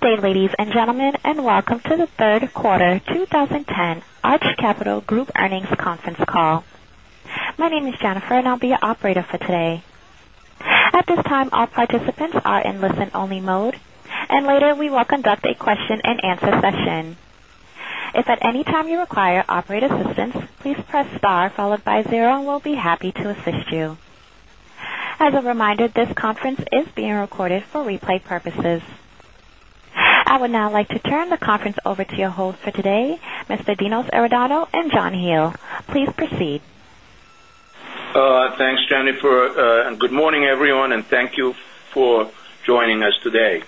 Good day, ladies and gentlemen, and welcome to the third quarter 2010 Arch Capital Group earnings conference call. My name is Jennifer, and I'll be your operator for today. At this time, all participants are in listen-only mode, and later we will conduct a question and answer session. If at any time you require operator assistance, please press star followed by zero, and we'll be happy to assist you. As a reminder, this conference is being recorded for replay purposes. I would now like to turn the conference over to your host for today, Mr. Dinos Iordanou and John Hele. Please proceed. Thanks, Jennifer, and good morning, everyone, and thank you for joining us today.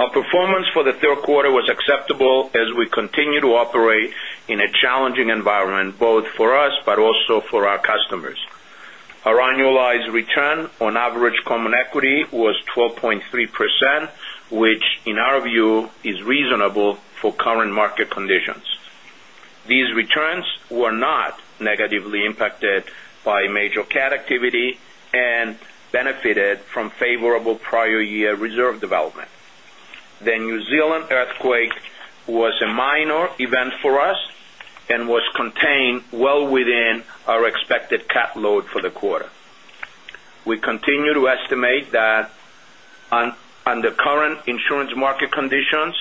Our performance for the third quarter was acceptable as we continue to operate in a challenging environment, both for us but also for our customers. Our annualized return on average common equity was 12.3%, which, in our view, is reasonable for current market conditions. These returns were not negatively impacted by major cat activity and benefited from favorable prior year reserve development. The New Zealand earthquake was a minor event for us and was contained well within our expected cat load for the quarter. We continue to estimate that under current insurance market conditions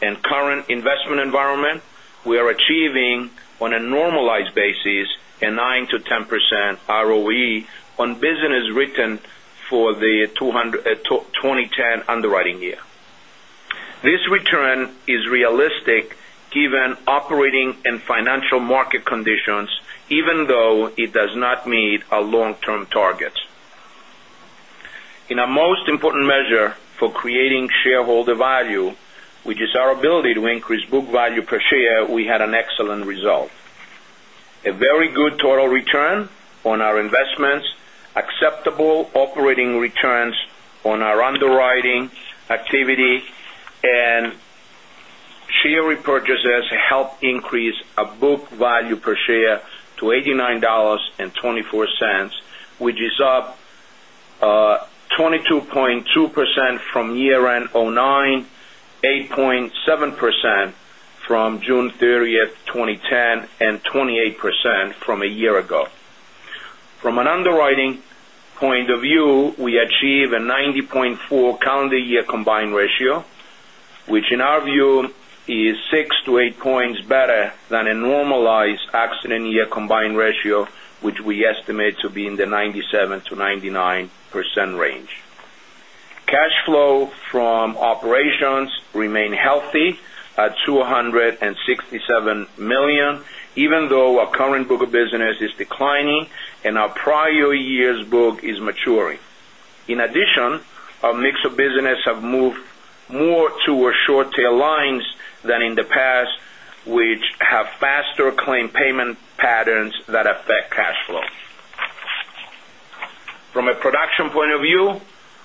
and current investment environment, we are achieving on a normalized basis a 9%-10% ROE on business written for the 2010 underwriting year. This return is realistic given operating and financial market conditions, even though it does not meet our long-term targets. In our most important measure for creating shareholder value, which is our ability to increase book value per share, we had an excellent result. A very good total return on our investments, acceptable operating returns on our underwriting activity, and share repurchases helped increase our book value per share to $89.24, which is up 22.2% from year-end 2009, 8.7% from June 30th, 2010, and 28% from a year ago. From an underwriting point of view, we achieved a 90.4 calendar year combined ratio, which in our view is 6-8 points better than a normalized accident year combined ratio, which we estimate to be in the 97%-99% range. Cash flow from operations remain healthy at $267 million, even though our current book of business is declining and our prior year's book is maturing. In addition, our mix of business have moved more to our short-tail lines than in the past, which have faster claim payment patterns that affect cash flow. From a production point of view,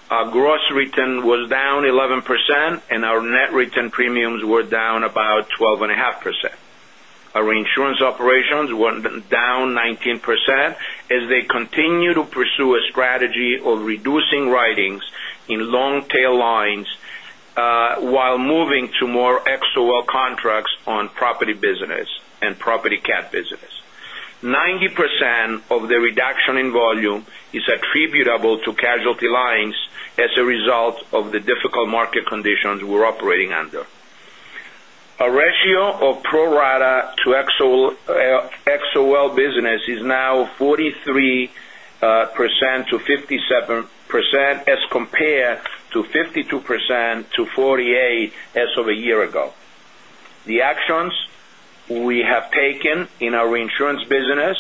our gross written was down 11%, and our net written premiums were down about 12.5%. Our insurance operations were down 19% as they continue to pursue a strategy of reducing writings in long-tail lines, while moving to more XOL contracts on property business and property cat business. 90% of the reduction in volume is attributable to casualty lines as a result of the difficult market conditions we're operating under. Our ratio of pro-rata to XOL business is now 43%-57%, as compared to 52%-48% as of a year ago. The actions we have taken in our insurance business,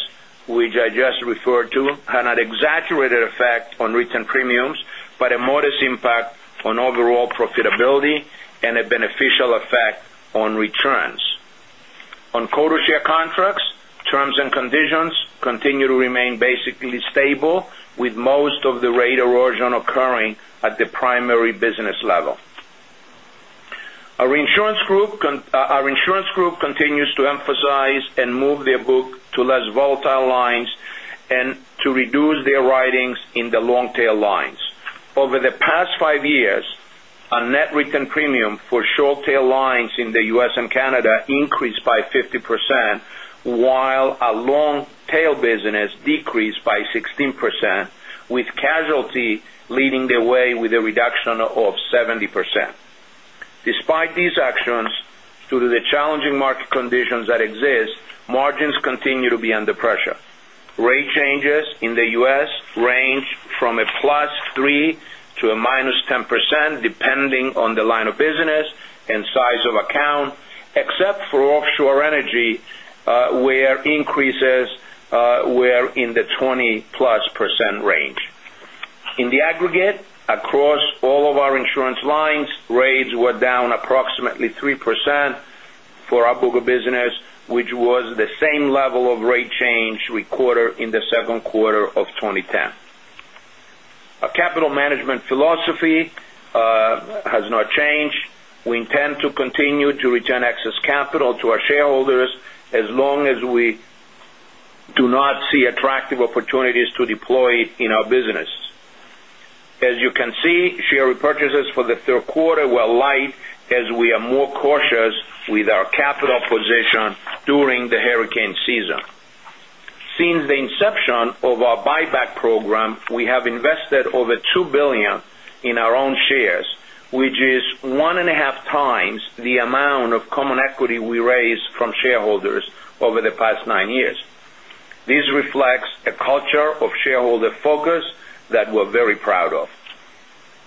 which I just referred to, had an exaggerated effect on written premiums, but a modest impact on overall profitability and a beneficial effect on returns. On quota share contracts, terms and conditions continue to remain basically stable, with most of the rate erosion occurring at the primary business level. Our insurance group continues to emphasize and move their book to less volatile lines and to reduce their writings in the long-tail lines. Over the past five years, our net written premium for short-tail lines in the U.S. and Canada increased by 50%, while our long-tail business decreased by 16%, with casualty leading the way with a reduction of 70%. Despite these actions, due to the challenging market conditions that exist, margins continue to be under pressure. Rate changes in the U.S. range from a +3% to -10%, depending on the line of business and size of account, except for offshore energy, where increases were in the 20%+ range. In the aggregate, across all of our insurance lines, rates were down approximately 3% for our book of business, which was the same level of rate change we quarter in the second quarter of 2010. Our capital management philosophy has not changed. We intend to continue to return excess capital to our shareholders as long as we see attractive opportunities to deploy in our business. As you can see, share repurchases for the third quarter were light as we are more cautious with our capital position during the hurricane season. Since the inception of our buyback program, we have invested over $2 billion in our own shares, which is one and a half times the amount of common equity we raised from shareholders over the past nine years. This reflects a culture of shareholder focus that we're very proud of.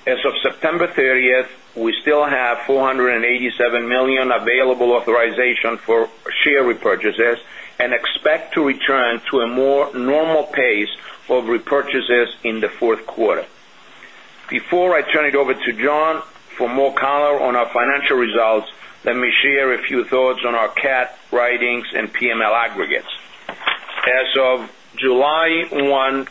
As of September 30, we still have $487 million available authorization for share repurchases and expect to return to a more normal pace of repurchases in the fourth quarter. Before I turn it over to John for more color on our financial results, let me share a few thoughts on our cat writings and PML aggregates. As of July 1,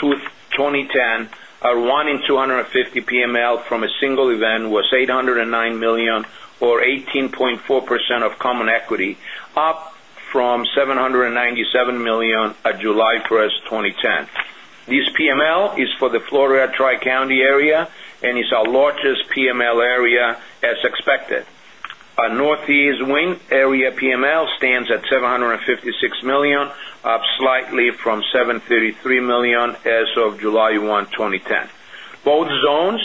2010, our running 250 PML from a single event was $809 million or 18.4% of common equity, up from $797 million at April 1st, 2010. This PML is for the Florida Tri-County area and is our largest PML area as expected. Our Northeast wind area PML stands at $756 million, up slightly from $733 million as of April 1, 2010. Both zones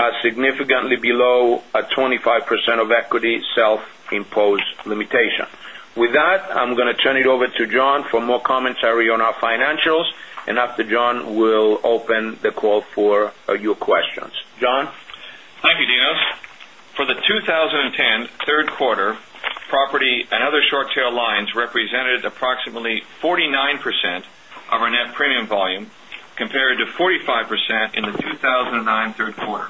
are significantly below a 25% of equity self-imposed limitation. With that, I'm going to turn it over to John for more commentary on our financials, and after John, we'll open the call for your questions. John? Thank you, Dinos. For the 2010 third quarter, property and other short tail lines represented approximately 49% of our net premium volume compared to 45% in the 2009 third quarter.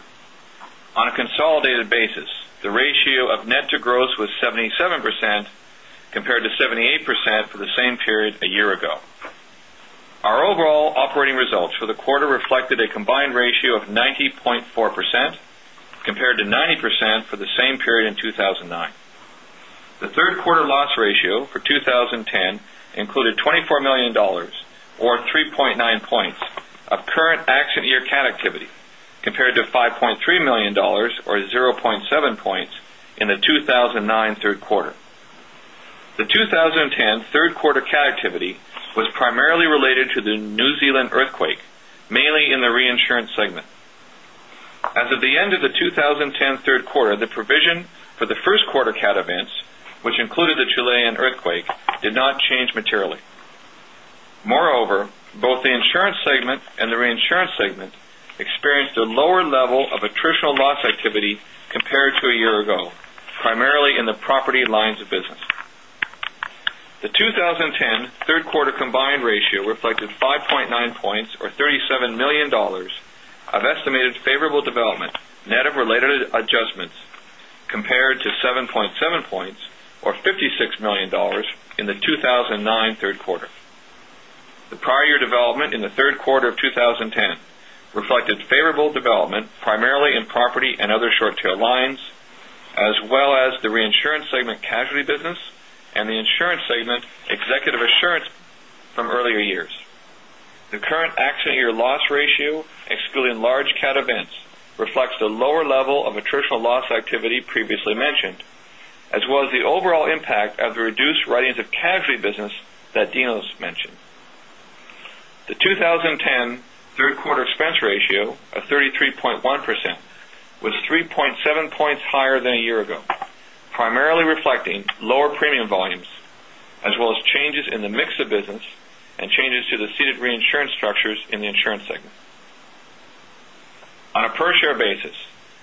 On a consolidated basis, the ratio of net to gross was 77%, compared to 78% for the same period a year ago. Our overall operating results for the quarter reflected a combined ratio of 90.4%, compared to 90% for the same period in 2009. The third quarter loss ratio for 2010 included $24 million, or 3.9 points of current accident year cat activity, compared to $5.3 million or 0.7 points in the 2009 third quarter. The 2010 third quarter cat activity was primarily related to the New Zealand earthquake, mainly in the reinsurance segment. As of the end of the 2010 third quarter, the provision for the first quarter cat events, which included the Chilean earthquake, did not change materially. Both the insurance segment and the reinsurance segment experienced a lower level of attritional loss activity compared to a year ago, primarily in the property lines of business. The 2010 third quarter combined ratio reflected 5.9 points or $37 million of estimated favorable development, net of related adjustments, compared to 7.7 points or $56 million in the 2009 third quarter. The prior year development in the third quarter of 2010 reflected favorable development primarily in property and other short tail lines, as well as the reinsurance segment casualty business and the insurance segment Executive Assurance from earlier years. The current accident year loss ratio, excluding large cat events, reflects the lower level of attritional loss activity previously mentioned, as well as the overall impact of the reduced writings of casualty business that Dinos mentioned. The 2010 third quarter expense ratio of 33.1% was 3.7 points higher than a year ago, primarily reflecting lower premium volumes as well as changes in the mix of business and changes to the ceded reinsurance structures in the insurance segment. On a per share basis,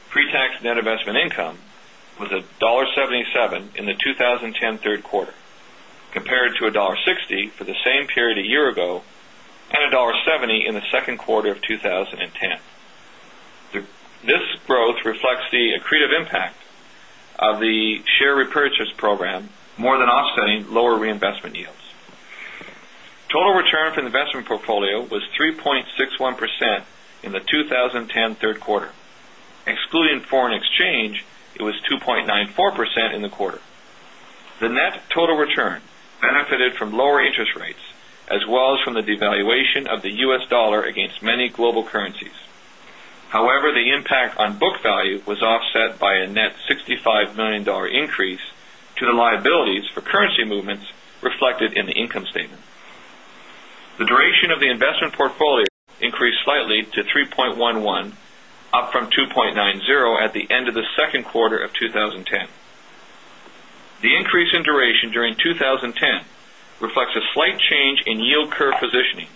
pre-tax net investment income was $1.77 in the 2010 third quarter, compared to $1.60 for the same period a year ago and $1.70 in the second quarter of 2010. This growth reflects the accretive impact of the share repurchase program more than offsetting lower reinvestment yields. Total return from the investment portfolio was 3.61% in the 2010 third quarter. Excluding foreign exchange, it was 2.94% in the quarter. The net total return benefited from lower interest rates as well as from the devaluation of the US dollar against many global currencies. The impact on book value was offset by a net $65 million increase to the liabilities for currency movements reflected in the income statement. The duration of the investment portfolio increased slightly to 3.11 up from 2.90 at the end of the second quarter of 2010. The increase in duration during 2010 reflects a slight change in yield curve positioning,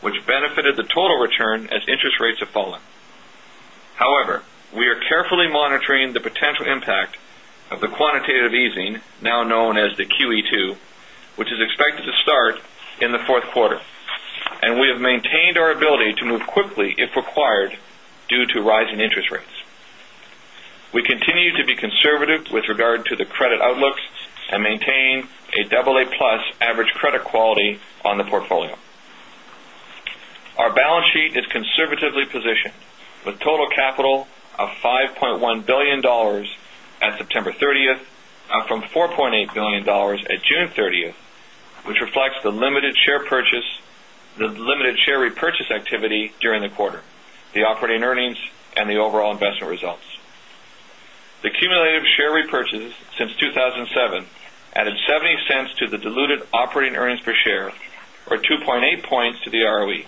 which benefited the total return as interest rates have fallen. We are carefully monitoring the potential impact of the quantitative easing, now known as the QE2, which is expected to start in the fourth quarter, and we have maintained our ability to move quickly if required due to rising interest rates. We continue to be conservative with regard to the credit outlooks and maintain a double A plus average credit quality on the portfolio. Our balance sheet is conservatively positioned with total capital of $5.1 billion at September 30th, up from $4.8 billion at June 30th, which reflects the limited share repurchase activity during the quarter, the operating earnings, and the overall investment results. The cumulative share repurchases since 2007 added $0.70 to the diluted operating earnings per share, or 2.8 points to the ROE.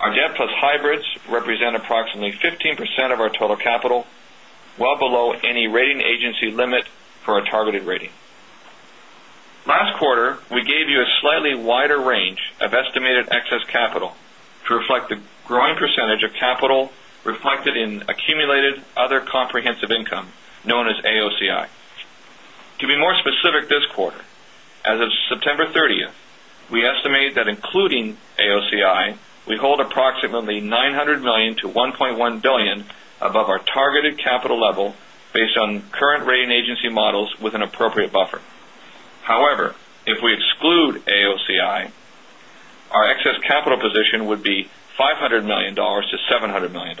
Our debt plus hybrids represent approximately 15% of our total capital, well below any rating agency limit for a targeted rating. Last quarter, we gave you a slightly wider range of estimated excess capital to reflect the growing percentage of capital reflected in accumulated other comprehensive income, known as AOCI. To be more specific this quarter, as of September 30th, we estimate that including AOCI, we hold approximately $900 million-$1.1 billion above our targeted capital level based on current rating agency models with an appropriate buffer. If we exclude AOCI, our excess capital position would be $500 million-$700 million.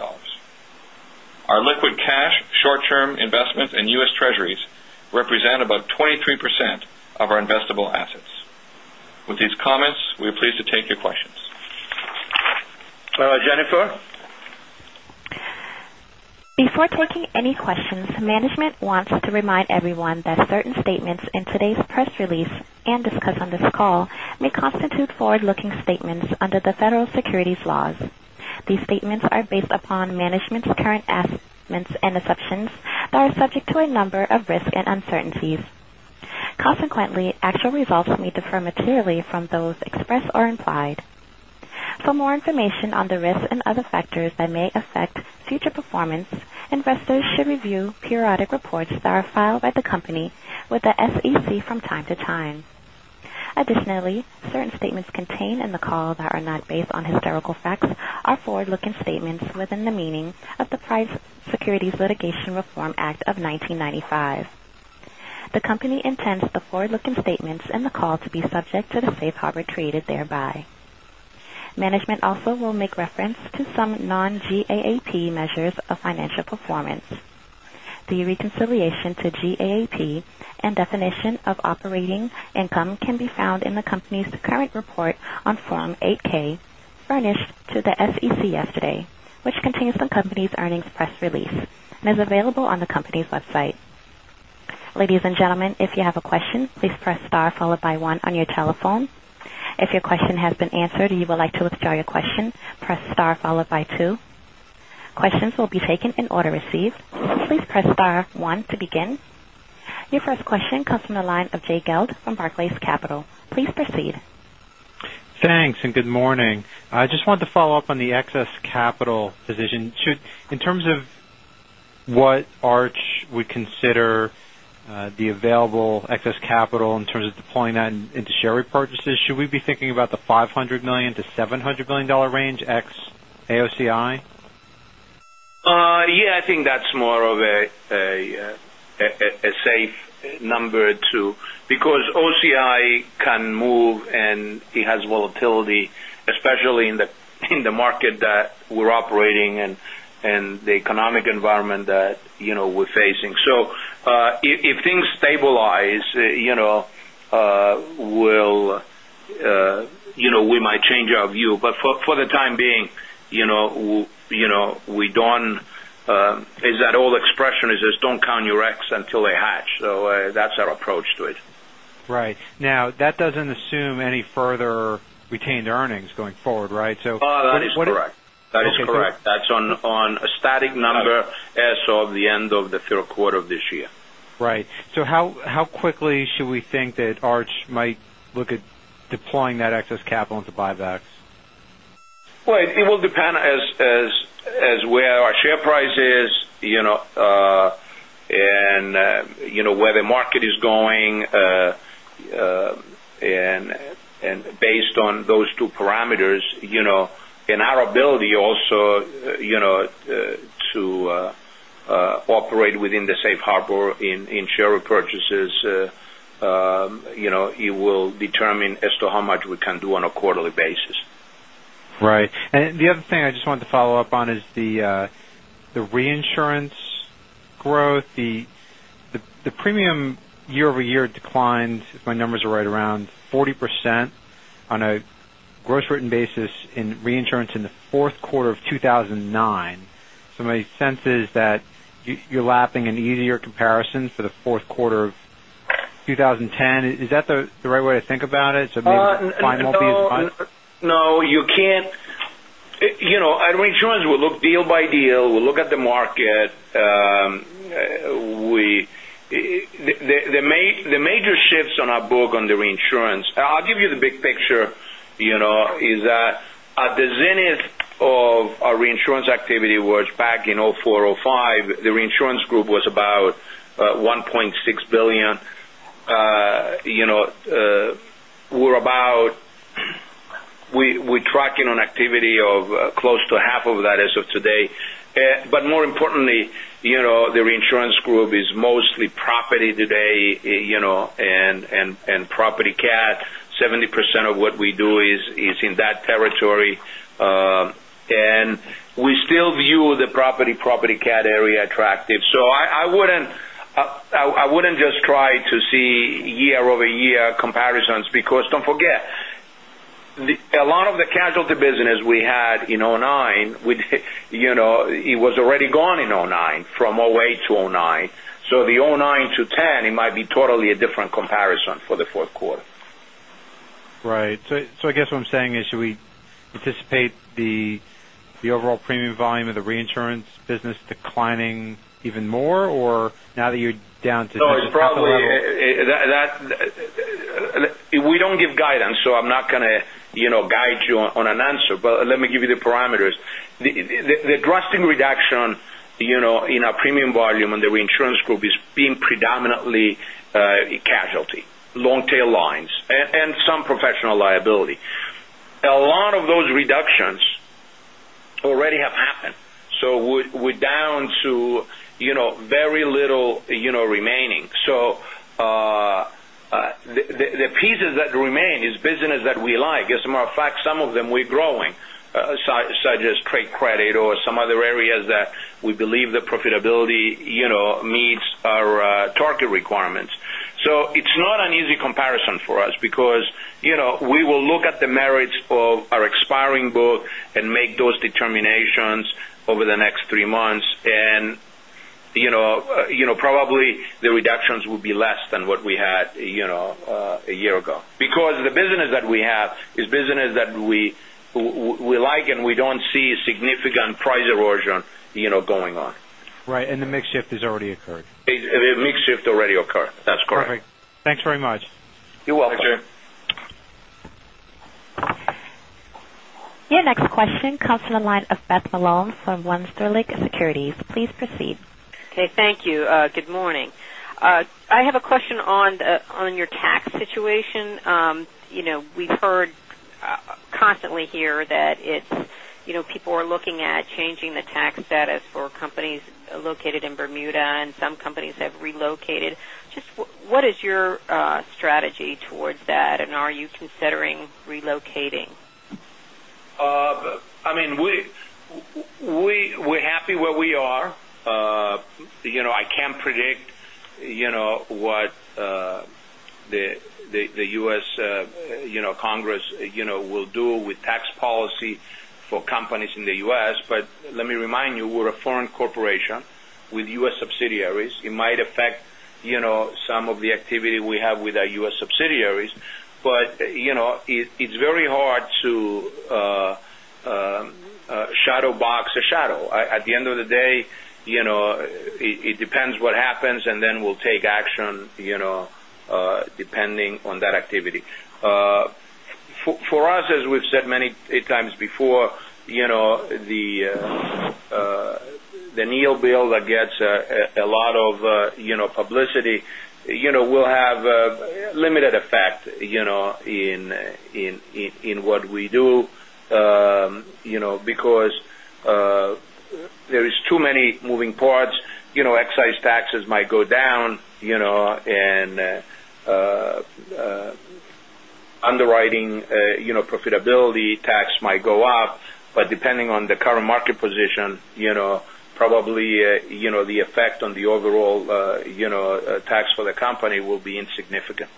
Our liquid cash, short-term investments in US Treasuries represent about 23% of our investable assets. With these comments, we are pleased to take your questions. Jennifer? Before taking any questions, management wants to remind everyone that certain statements in today's press release and discussed on this call may constitute forward-looking statements under the federal securities laws. These statements are based upon management's current assessments and assumptions that are subject to a number of risks and uncertainties. Actual results may differ materially from those expressed or implied. For more information on the risks and other factors that may affect future performance, investors should review periodic reports that are filed by the company with the SEC from time to time. Certain statements contained in the call that are not based on historical facts are forward-looking statements within the meaning of the Private Securities Litigation Reform Act of 1995. The company intends the forward-looking statements in the call to be subject to the safe harbor created thereby. Management also will make reference to some non-GAP measures of financial performance. The reconciliation to GAP and definition of operating income can be found in the company's current report on Form 8-K furnished to the SEC yesterday, which contains the company's earnings press release and is available on the company's website. Ladies and gentlemen, if you have a question, please press star followed by one on your telephone. If your question has been answered or you would like to withdraw your question, press star followed by two. Questions will be taken in order received. Please press star one to begin. Your first question comes from the line of Jay Gelb from Barclays Capital. Please proceed. Thanks and good morning. I just wanted to follow up on the excess capital position. In terms of what Arch would consider the available excess capital in terms of deploying that into share repurchases, should we be thinking about the $500 million-$700 million range ex AOCI? Yeah, I think that's more of a safe number, too. AOCI can move and it has volatility, especially in the market that we're operating in and the economic environment that we're facing. If things stabilize, we might change our view. For the time being, we don't. It's that old expression is just don't count your eggs until they hatch. That's our approach to it. Right. Now, that doesn't assume any further retained earnings going forward, right? What- That is correct. Okay. That is correct. That's on a static number as of the end of the third quarter of this year. Right. How quickly should we think that Arch might look at deploying that excess capital into buybacks? Well, it will depend as where our share price is and where the market is going. Based on those two parameters and our ability also to operate within the safe harbor in share repurchases, it will determine as to how much we can do on a quarterly basis. Right. The other thing I just wanted to follow up on is the reinsurance growth. The premium year-over-year declined, if my numbers are right, around 40% on a gross written basis in reinsurance in the fourth quarter of 2009. My sense is that you're lapping an easier comparison for the fourth quarter of 2010. Is that the right way to think about it? Maybe the decline won't be as much. No, you can't. At reinsurance, we look deal by deal. We look at the market. The major shifts on our book on the reinsurance, I'll give you the big picture, is that at the zenith of our reinsurance activity was back in 2004, 2005. The reinsurance group was about $1.6 billion. We're tracking on activity of close to half of that as of today. More importantly, the reinsurance group is mostly property today and property cat, 70% of what we do is in that territory. We still view the property-property cat area attractive. I wouldn't just try to see year-over-year comparisons because don't forget, a lot of the casualty business we had in 2009, it was already gone in 2009, from 2008 to 2009. The 2009 to 2010, it might be totally a different comparison for the fourth quarter. Right. I guess what I'm saying is, should we anticipate the overall premium volume of the reinsurance business declining even more or now that you're down to just a couple of- No, it's probably. We don't give guidance, so I'm not going to guide you on an answer. Let me give you the parameters. The drastic reduction in our premium volume in the reinsurance group is being predominantly casualty, long tail lines, and some professional liability. A lot of those reductions already have happened. We're down to very little remaining. The pieces that remain is business that we like. As a matter of fact, some of them we're growing, such as trade credit or some other areas that we believe the profitability meets our target requirements. It's not an easy comparison for us because we will look at the merits of our expiring book and make those determinations over the next three months. Probably the reductions will be less than what we had a year ago. The business that we have is business that we like, and we don't see significant price erosion going on. Right. The mix shift has already occurred. The mix shift already occurred. That's correct. Perfect. Thanks very much. You're welcome. Your next question comes from the line of Beth Malone from Van Sterling Securities. Please proceed. Okay, thank you. Good morning. I have a question on your tax situation. We've heard constantly here that people are looking at changing the tax status for companies located in Bermuda, and some companies have relocated. Just what is your strategy towards that, and are you considering relocating? We're happy where we are. I can't predict what the U.S. Congress will do with tax policy for companies in the U.S. Let me remind you, we're a foreign corporation with U.S. subsidiaries. It might affect some of the activity we have with our U.S. subsidiaries. It's very hard to shadow box a shadow. At the end of the day, it depends what happens, and then we'll take action depending on that activity. For us, as we've said many times before, the Neal bill that gets a lot of publicity will have a limited effect in what we do because there is too many moving parts. Excise taxes might go down, and underwriting profitability tax might go up. Depending on the current market position, probably the effect on the overall tax for the company will be insignificant.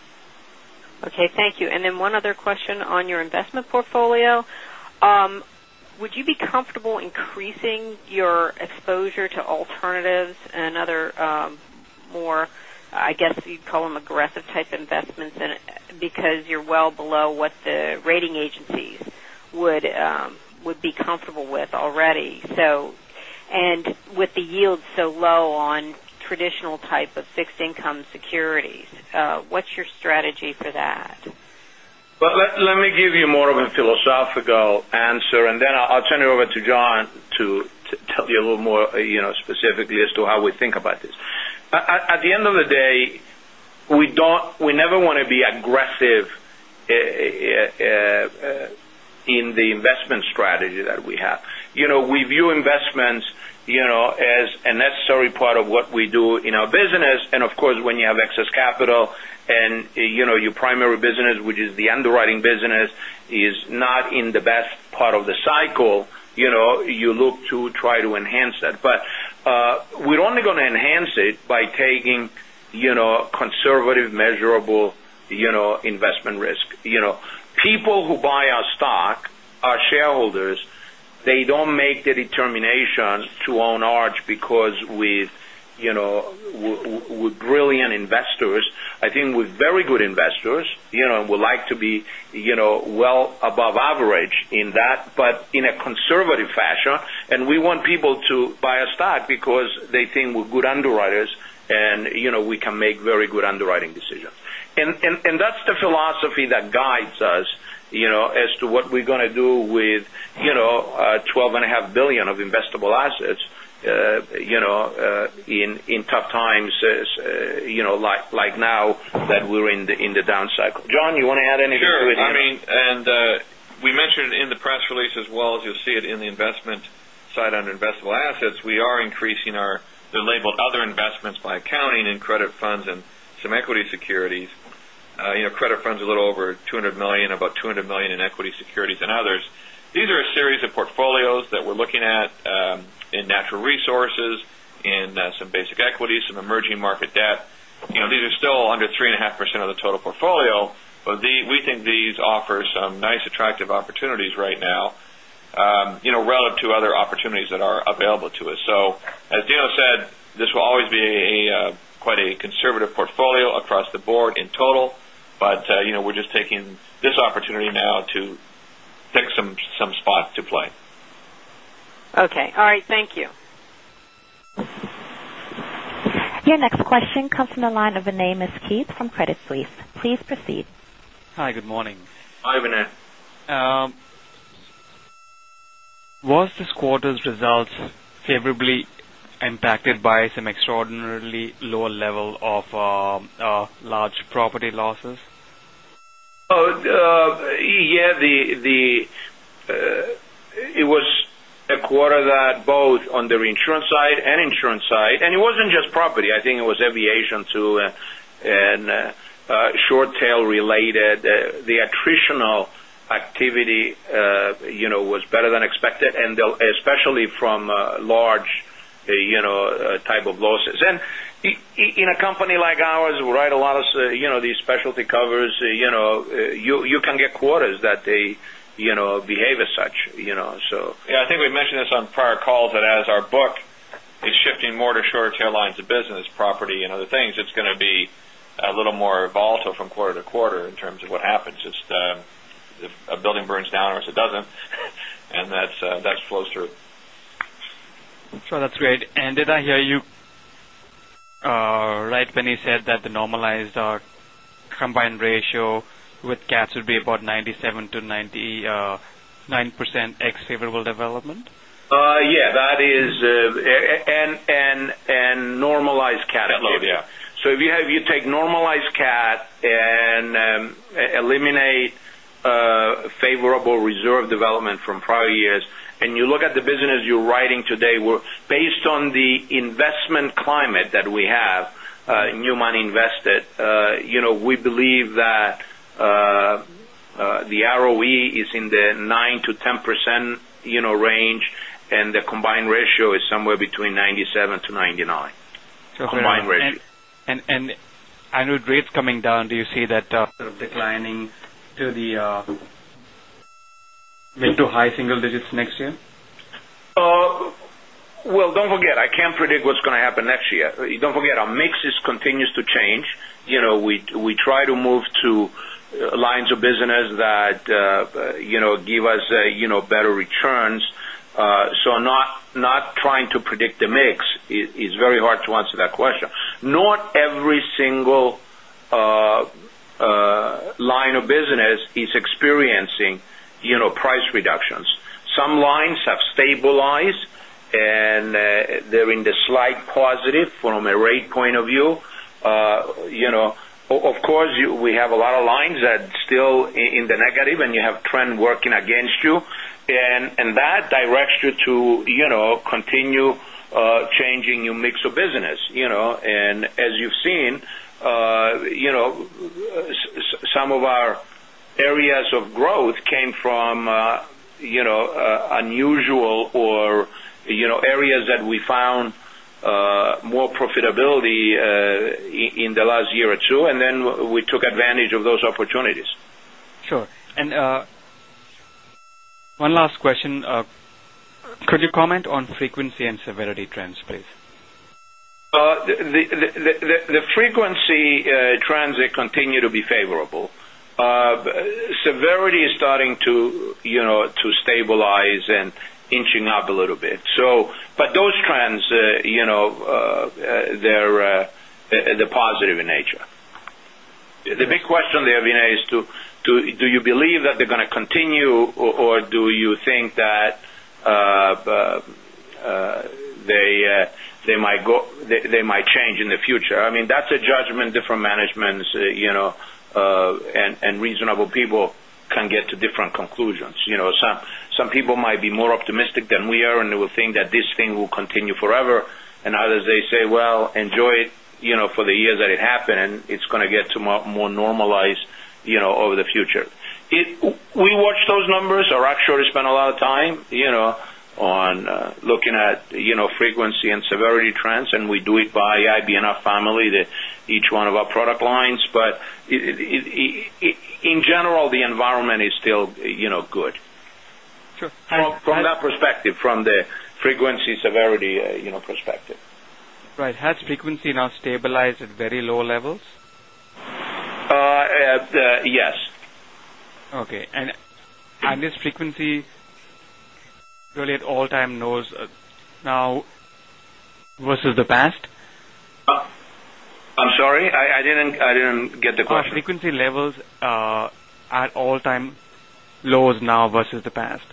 Okay, thank you. Then one other question on your investment portfolio. Would you be comfortable increasing your exposure to alternatives and other more, I guess you'd call them aggressive type investments? Because you're well below what the rating agencies would be comfortable with already. With the yield so low on traditional type of fixed income securities, what's your strategy for that? Let me give you more of a philosophical answer, then I'll turn it over to John to tell you a little more specifically as to how we think about this. At the end of the day, we never want to be aggressive in the investment strategy that we have. We view investments as a necessary part of what we do in our business. Of course, when you have excess capital and your primary business, which is the underwriting business, is not in the best part of the cycle, you look to try to enhance that. We're only going to enhance it by taking conservative, measurable investment risk. People who buy our stock are shareholders. They don't make the determination to own Arch because we're brilliant investors. I think we're very good investors. We like to be well above average in that, but in a conservative fashion. We want people to buy our stock because they think we're good underwriters, and we can make very good underwriting decisions. That's the philosophy that guides us as to what we're going to do with $12.5 billion of investable assets in tough times like now that we're in the down cycle. John, you want to add anything to it? Sure. We mentioned in the press release as well as you'll see it in the investment side under investable assets, we are increasing our, they're labeled other investments by accounting and credit funds and some equity securities. Credit fund's a little over $200 million, about $200 million in equity securities and others. These are a series of portfolios that we're looking at in natural resources and some basic equities, some emerging market debt. These are still under 3.5% of the total portfolio, but we think these offer some nice attractive opportunities right now, relative to other opportunities that are available to us. As Dinos said, this will always be quite a conservative portfolio across the board in total. We're just taking this opportunity now to pick some spots to play. Okay. All right. Thank you. Your next question comes from the line of Vinay Misquith from Credit Suisse. Please proceed. Hi. Good morning. Hi, Vinay. Was this quarter's results favorably impacted by some extraordinarily lower level of large property losses? Oh, yeah. It was a quarter that both on the reinsurance side and insurance side, and it wasn't just property. I think it was aviation too, and short tail related. The attritional activity was better than expected and especially from large type of losses. In a company like ours, we write a lot of these specialty covers, you can get quarters that they behave as such. Yeah, I think we've mentioned this on prior calls, that as our book is shifting more to shorter tail lines of business, property and other things, it's going to be a little more volatile from quarter to quarter in terms of what happens. If a building burns down or if it doesn't, and that flows through. Sure. That's great. Did I hear you right when you said that the normalized combined ratio with cats would be about 97%-99% ex-favorable development? Yeah. Normalized cat activity. Yeah. If you take normalized cat and eliminate favorable reserve development from prior years, you look at the business you're writing today, based on the investment climate that we have, new money invested, we believe that the ROE is in the 9%-10% range, and the combined ratio is somewhere between 97%-99%. Annual rates coming down, do you see that sort of declining to the mid to high single digits next year? Well, don't forget, I can't predict what's going to happen next year. Don't forget, our mixes continues to change. We try to move to lines of business that give us better returns. Not trying to predict the mix. It's very hard to answer that question. Not every single line of business is experiencing price reductions. Some lines have stabilized, and they're in the slight positive from a rate point of view. Of course, we have a lot of lines that still in the negative, and you have trend working against you, and that directs you to continue changing your mix of business. As you've seen, some of our areas of growth came from unusual or areas that we found more profitability in the last year or two, and then we took advantage of those opportunities. Sure. One last question. Could you comment on frequency and severity trends, please? The frequency trends, they continue to be favorable. Severity is starting to stabilize and inching up a little bit. Those trends, they're positive in nature. The big question there, Vinay, is do you believe that they're going to continue, do you think that they might change in the future? That's a judgment different managements and reasonable people can get to different conclusions. Some people might be more optimistic than we are, and they will think that this thing will continue forever. Others, they say, "Well, enjoy it for the years that it happened. It's going to get to more normalized over the future." We watch those numbers. Our actuaries spend a lot of time on looking at frequency and severity trends, and we do it by IBNR family to each one of our product lines. In general, the environment is still good. Sure. From that perspective, from the frequency severity perspective. Right. Has frequency now stabilized at very low levels? Yes. Okay. Has frequency really at all-time lows now versus the past? I'm sorry. I didn't get the question. Are frequency levels at all-time lows now versus the past?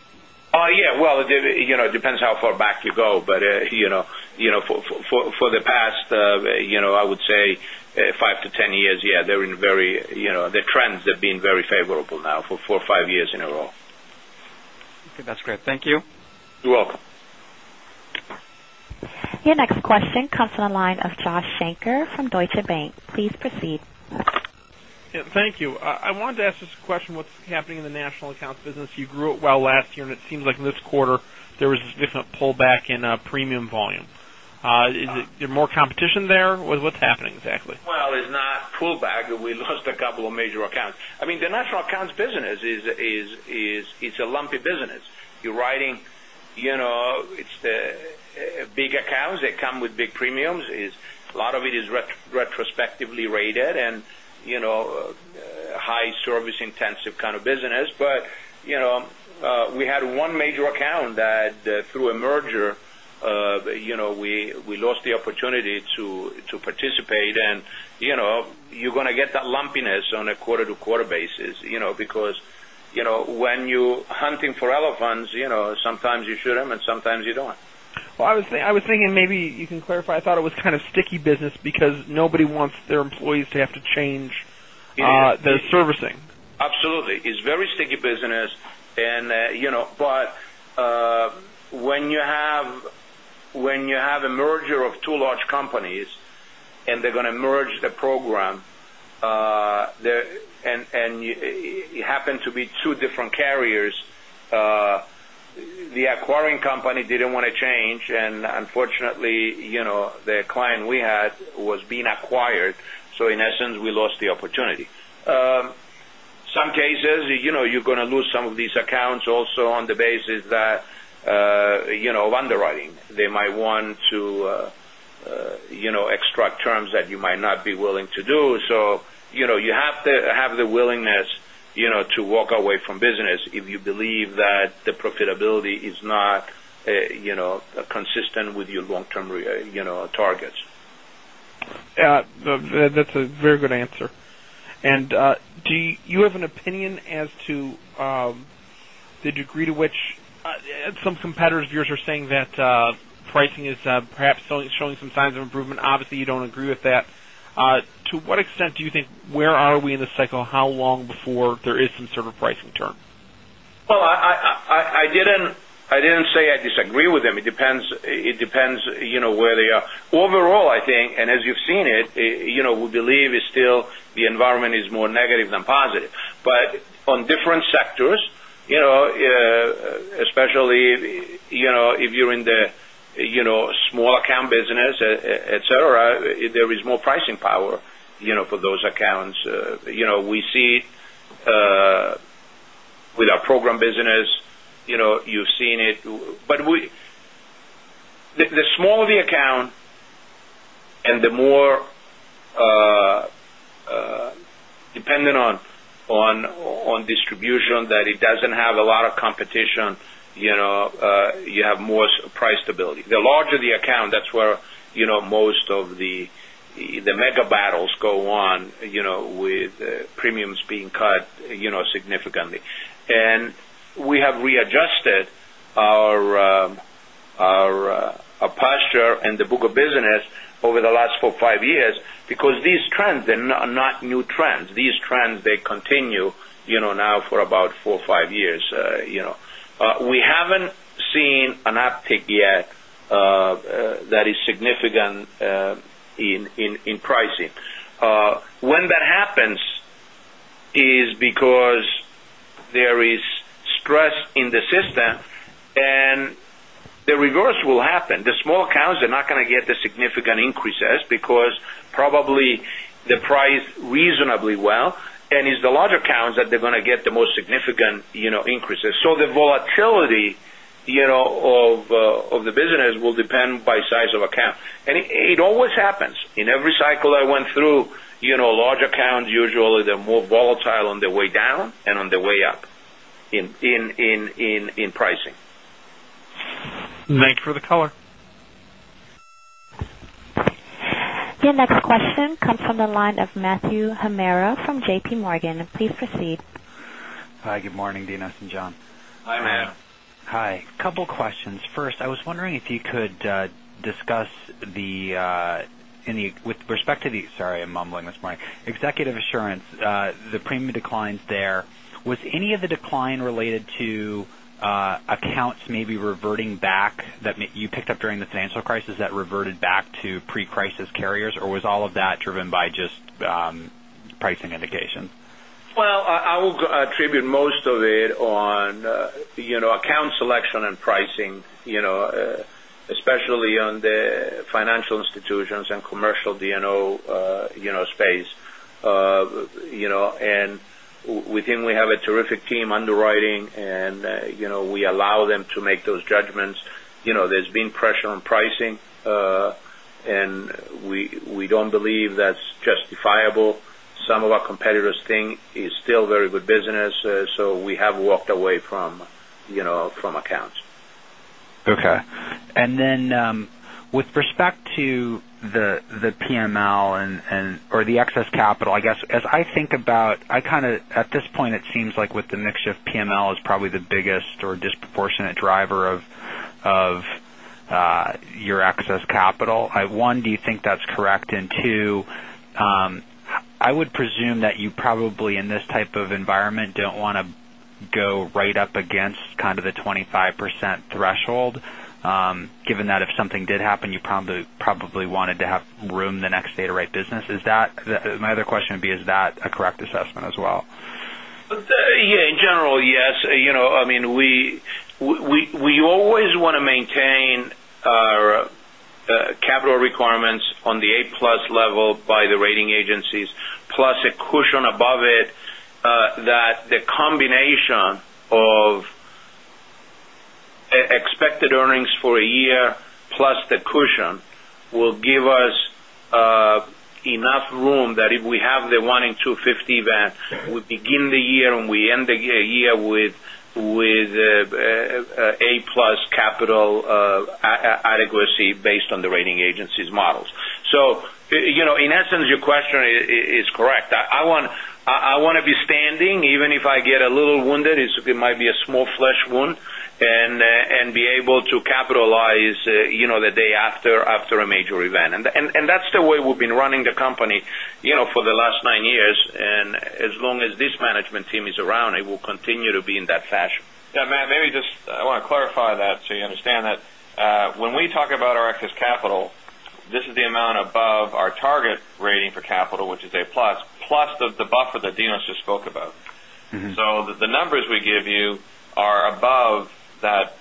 Yeah. Well, it depends how far back you go. For the past I would say five to 10 years, yeah. The trends have been very favorable now for four or five years in a row. Okay. That's great. Thank you. You're welcome. Your next question comes from the line of Joshua Shanker from Deutsche Bank. Please proceed. Yeah. Thank you. I wanted to ask this question, what's happening in the national accounts business? You grew it well last year, and it seems like in this quarter there was this different pullback in premium volume. Is there more competition there? What's happening exactly? Well, it's not pullback. We lost a couple of major accounts. I mean, the national accounts business is a lumpy business. You're writing, it's the big accounts that come with big premiums, a lot of it is retrospectively rated and high service intensive kind of business. We had one major account that through a merger, we lost the opportunity to participate and you're going to get that lumpiness on a quarter-to-quarter basis, because when you're hunting for elephants, sometimes you shoot them and sometimes you don't. Well, I was thinking maybe you can clarify. I thought it was kind of sticky business because nobody wants their employees to have to change their servicing. Absolutely. It's very sticky business. When you have a merger of two large companies and they're going to merge the program, and it happened to be two different carriers, the acquiring company didn't want to change, and unfortunately, the client we had was being acquired, so in essence, we lost the opportunity. Some cases, you're going to lose some of these accounts also on the basis that underwriting, they might want to extract terms that you might not be willing to do. You have to have the willingness to walk away from business if you believe that the profitability is not consistent with your long-term targets. Yeah. That's a very good answer. Do you have an opinion as to the degree to which some competitors of yours are saying that pricing is perhaps showing some signs of improvement. Obviously, you don't agree with that. To what extent do you think, where are we in the cycle? How long before there is some sort of pricing term? Well, I didn't say I disagree with them. It depends where they are. Overall, I think, and as you've seen it, we believe the environment is more negative than positive. On different sectors, especially if you're in the small account business, et cetera, there is more pricing power for those accounts. We see with our program business, you've seen it. The smaller the account and the more dependent on distribution, that it doesn't have a lot of competition, you have more price stability. The larger the account, that's where most of the mega battles go on with premiums being cut significantly. We have readjusted our posture and the book of business over the last four, five years because these trends are not new trends. These trends, they continue now for about four or five years. We haven't seen an uptick yet that is significant in pricing. When that happens, it is because there is stress in the system and the reverse will happen. The small accounts are not going to get the significant increases because probably they price reasonably well, and it's the larger accounts that they're going to get the most significant increases. The volatility of the business will depend by size of account. It always happens. In every cycle I went through, larger accounts, usually they're more volatile on the way down and on the way up in pricing. Thank you for the color. Your next question comes from the line of Matthew Heimermann from JPMorgan. Please proceed. Hi, good morning, Dinos and John. Hi, Matt. Hi. Couple questions. First, I was wondering if you could, with respect to the, sorry, I'm mumbling this morning. Executive Assurance, the premium declines there. Was any of the decline related to accounts maybe reverting back that you picked up during the financial crisis that reverted back to pre-crisis carriers, or was all of that driven by just pricing indications? Well, I will attribute most of it on account selection and pricing, especially on the financial institutions and commercial D&O space. Within, we have a terrific team underwriting, and we allow them to make those judgments. There's been pressure on pricing, and we don't believe that's justifiable. Some of our competitors think it's still very good business, we have walked away from accounts. Okay. Then, with respect to the PML or the excess capital, I guess, as I think about, at this point it seems like with the mixed shift, PML is probably the biggest or disproportionate driver of your excess capital. One, do you think that's correct? Two, I would presume that you probably, in this type of environment, don't want to go right up against the 25% threshold. Given that if something did happen, you probably wanted to have room the next day to write business. My other question would be, is that a correct assessment as well? In general, yes. We always want to maintain our capital requirements on the A-plus level by the rating agencies, plus a cushion above it that the combination of expected earnings for a year plus the cushion will give us enough room that if we have the one in 250 event, we begin the year and we end the year with A-plus capital adequacy based on the rating agencies' models. In essence, your question is correct. I want to be standing, even if I get a little wounded. It might be a small flesh wound. Be able to capitalize the day after a major event. That's the way we've been running the company for the last nine years. As long as this management team is around, it will continue to be in that fashion. Yeah, Matt, I want to clarify that so you understand that when we talk about our excess capital, this is the amount above our target rating for capital, which is A-plus. Plus the buffer that Dinos just spoke about. The numbers we give you are above that.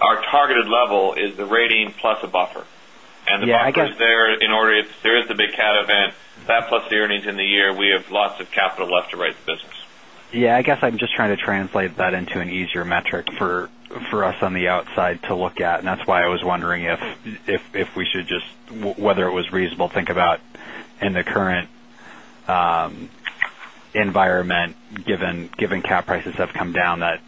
Our targeted level is the rating plus a buffer. Yeah. The buffer is there if there is a big cat event. That plus the earnings in the year, we have lots of capital left to write the business. Yeah, I guess I'm just trying to translate that into an easier metric for us on the outside to look at. That's why I was wondering whether it was reasonable to think about in the current environment given cap prices have come down, that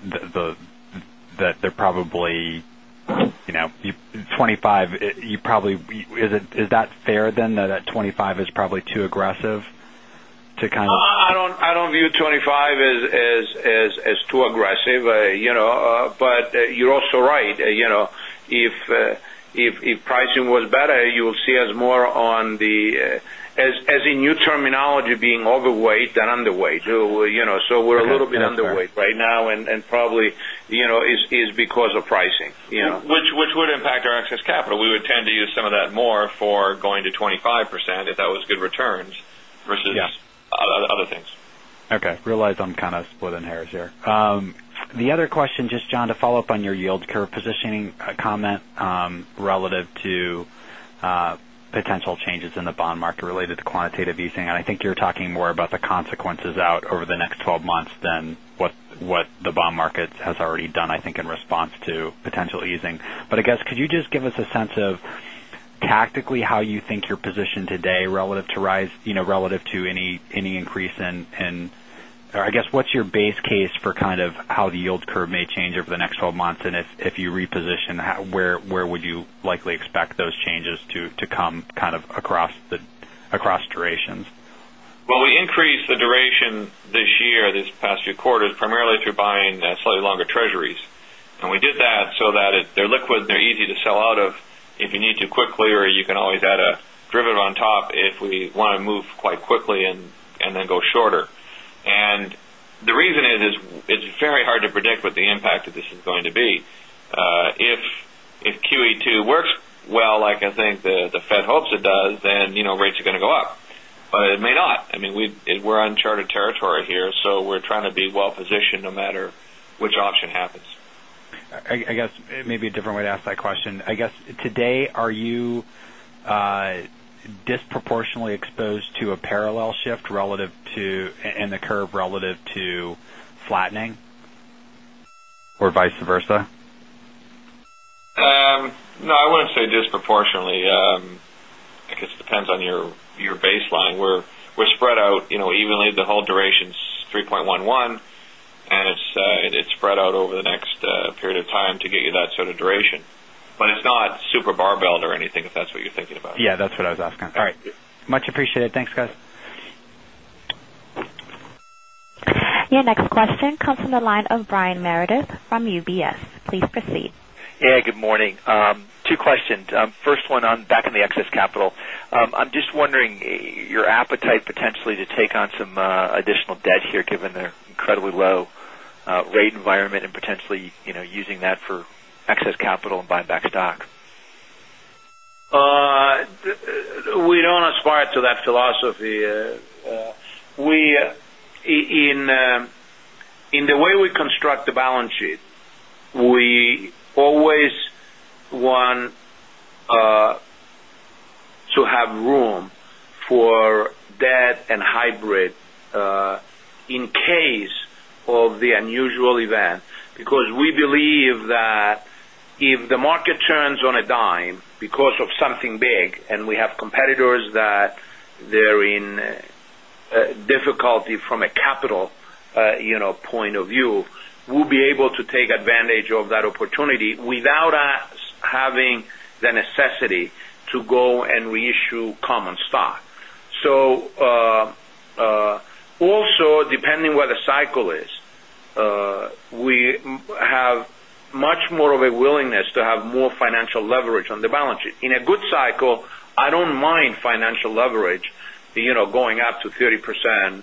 they're probably 25. Is that fair then, that 25 is probably too aggressive? I don't view 25 as too aggressive. You're also right. If pricing was better, you will see us more on the As in new terminology, being overweight than underweight. Okay. Under. We're a little bit underweight right now and probably is because of pricing. Which would impact our excess capital. We would tend to use some of that more for going to 25% if that was good returns. Yeah other things. Okay. Realized I'm splitting hairs here. The other question, just John, to follow up on your yield curve positioning comment relative to potential changes in the bond market related to quantitative easing. I think you're talking more about the consequences out over the next 12 months than what the bond market has already done, I think, in response to potential easing. I guess could you just give us a sense of tactically how you think you're positioned today relative to any increase or I guess what's your base case for how the yield curve may change over the next 12 months? If you reposition, where would you likely expect those changes to come across durations? Well, we increased the duration this year, these past few quarters, primarily through buying slightly longer treasuries. We did that so that they're liquid and they're easy to sell out of if you need to quickly, or you can always add a derivative on top if we want to move quite quickly and then go shorter. The reason is it's very hard to predict what the impact of this is going to be. If QE2 works well, like I think the Fed hopes it does, then rates are going to go up. It may not. We're uncharted territory here. We're trying to be well-positioned no matter which option happens. I guess maybe a different way to ask that question. I guess today, are you disproportionately exposed to a parallel shift in the curve relative to flattening or vice versa? No, I wouldn't say disproportionately. I guess it depends on your baseline. We're spread out evenly. The whole duration's 3.11, it's spread out over the next period of time to get you that sort of duration. It's not super barbelled or anything, if that's what you're thinking about. Yeah, that's what I was asking. All right. Much appreciated. Thanks, guys. Your next question comes from the line of Brian Meredith from UBS. Please proceed. Yeah, good morning. Two questions. First one back on the excess capital. I'm just wondering your appetite potentially to take on some additional debt here given the incredibly low rate environment and potentially using that for excess capital and buy back stock. We don't aspire to that philosophy. In the way we construct the balance sheet, we always want to have room for debt and hybrid in case of the unusual event. Because we believe that if the market turns on a dime because of something big, and we have competitors that they're in difficulty from a capital point of view, we'll be able to take advantage of that opportunity without us having the necessity to go and reissue common stock. Also depending where the cycle is, we have Much more of a willingness to have more financial leverage on the balance sheet. In a good cycle, I don't mind financial leverage going up to 30%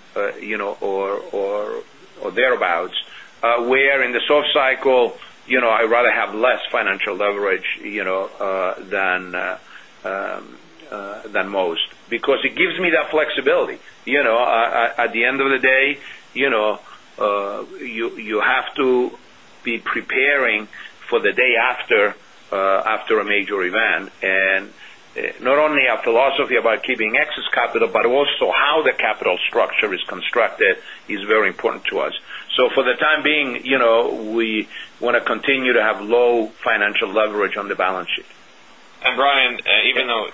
or thereabouts. Where in the soft cycle, I'd rather have less financial leverage than most, because it gives me that flexibility. At the end of the day, you have to be preparing for the day after a major event. Not only our philosophy about keeping excess capital, but also how the capital structure is constructed is very important to us. For the time being, we want to continue to have low financial leverage on the balance sheet. Brian, even though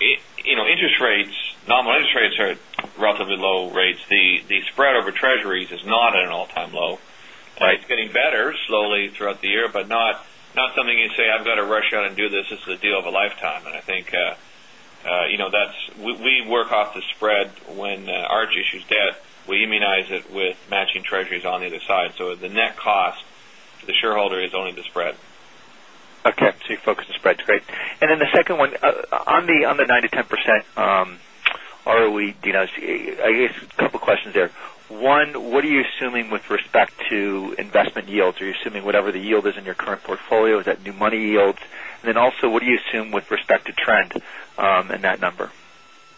nominal interest rates are at relatively low rates, the spread over Treasuries is not at an all-time low. Right. It's getting better slowly throughout the year, but not something you'd say, "I've got to rush out and do this. This is the deal of a lifetime." I think we work off the spread when Arch issues debt. We immunize it with matching Treasuries on either side. The net cost to the shareholder is only the spread. Okay. You focus the spreads. Great. Then the second one, on the 9%-10% ROE Dinos, I guess a couple questions there. One, what are you assuming with respect to investment yields? Are you assuming whatever the yield is in your current portfolio? Is that new money yields? Then also, what do you assume with respect to trend in that number?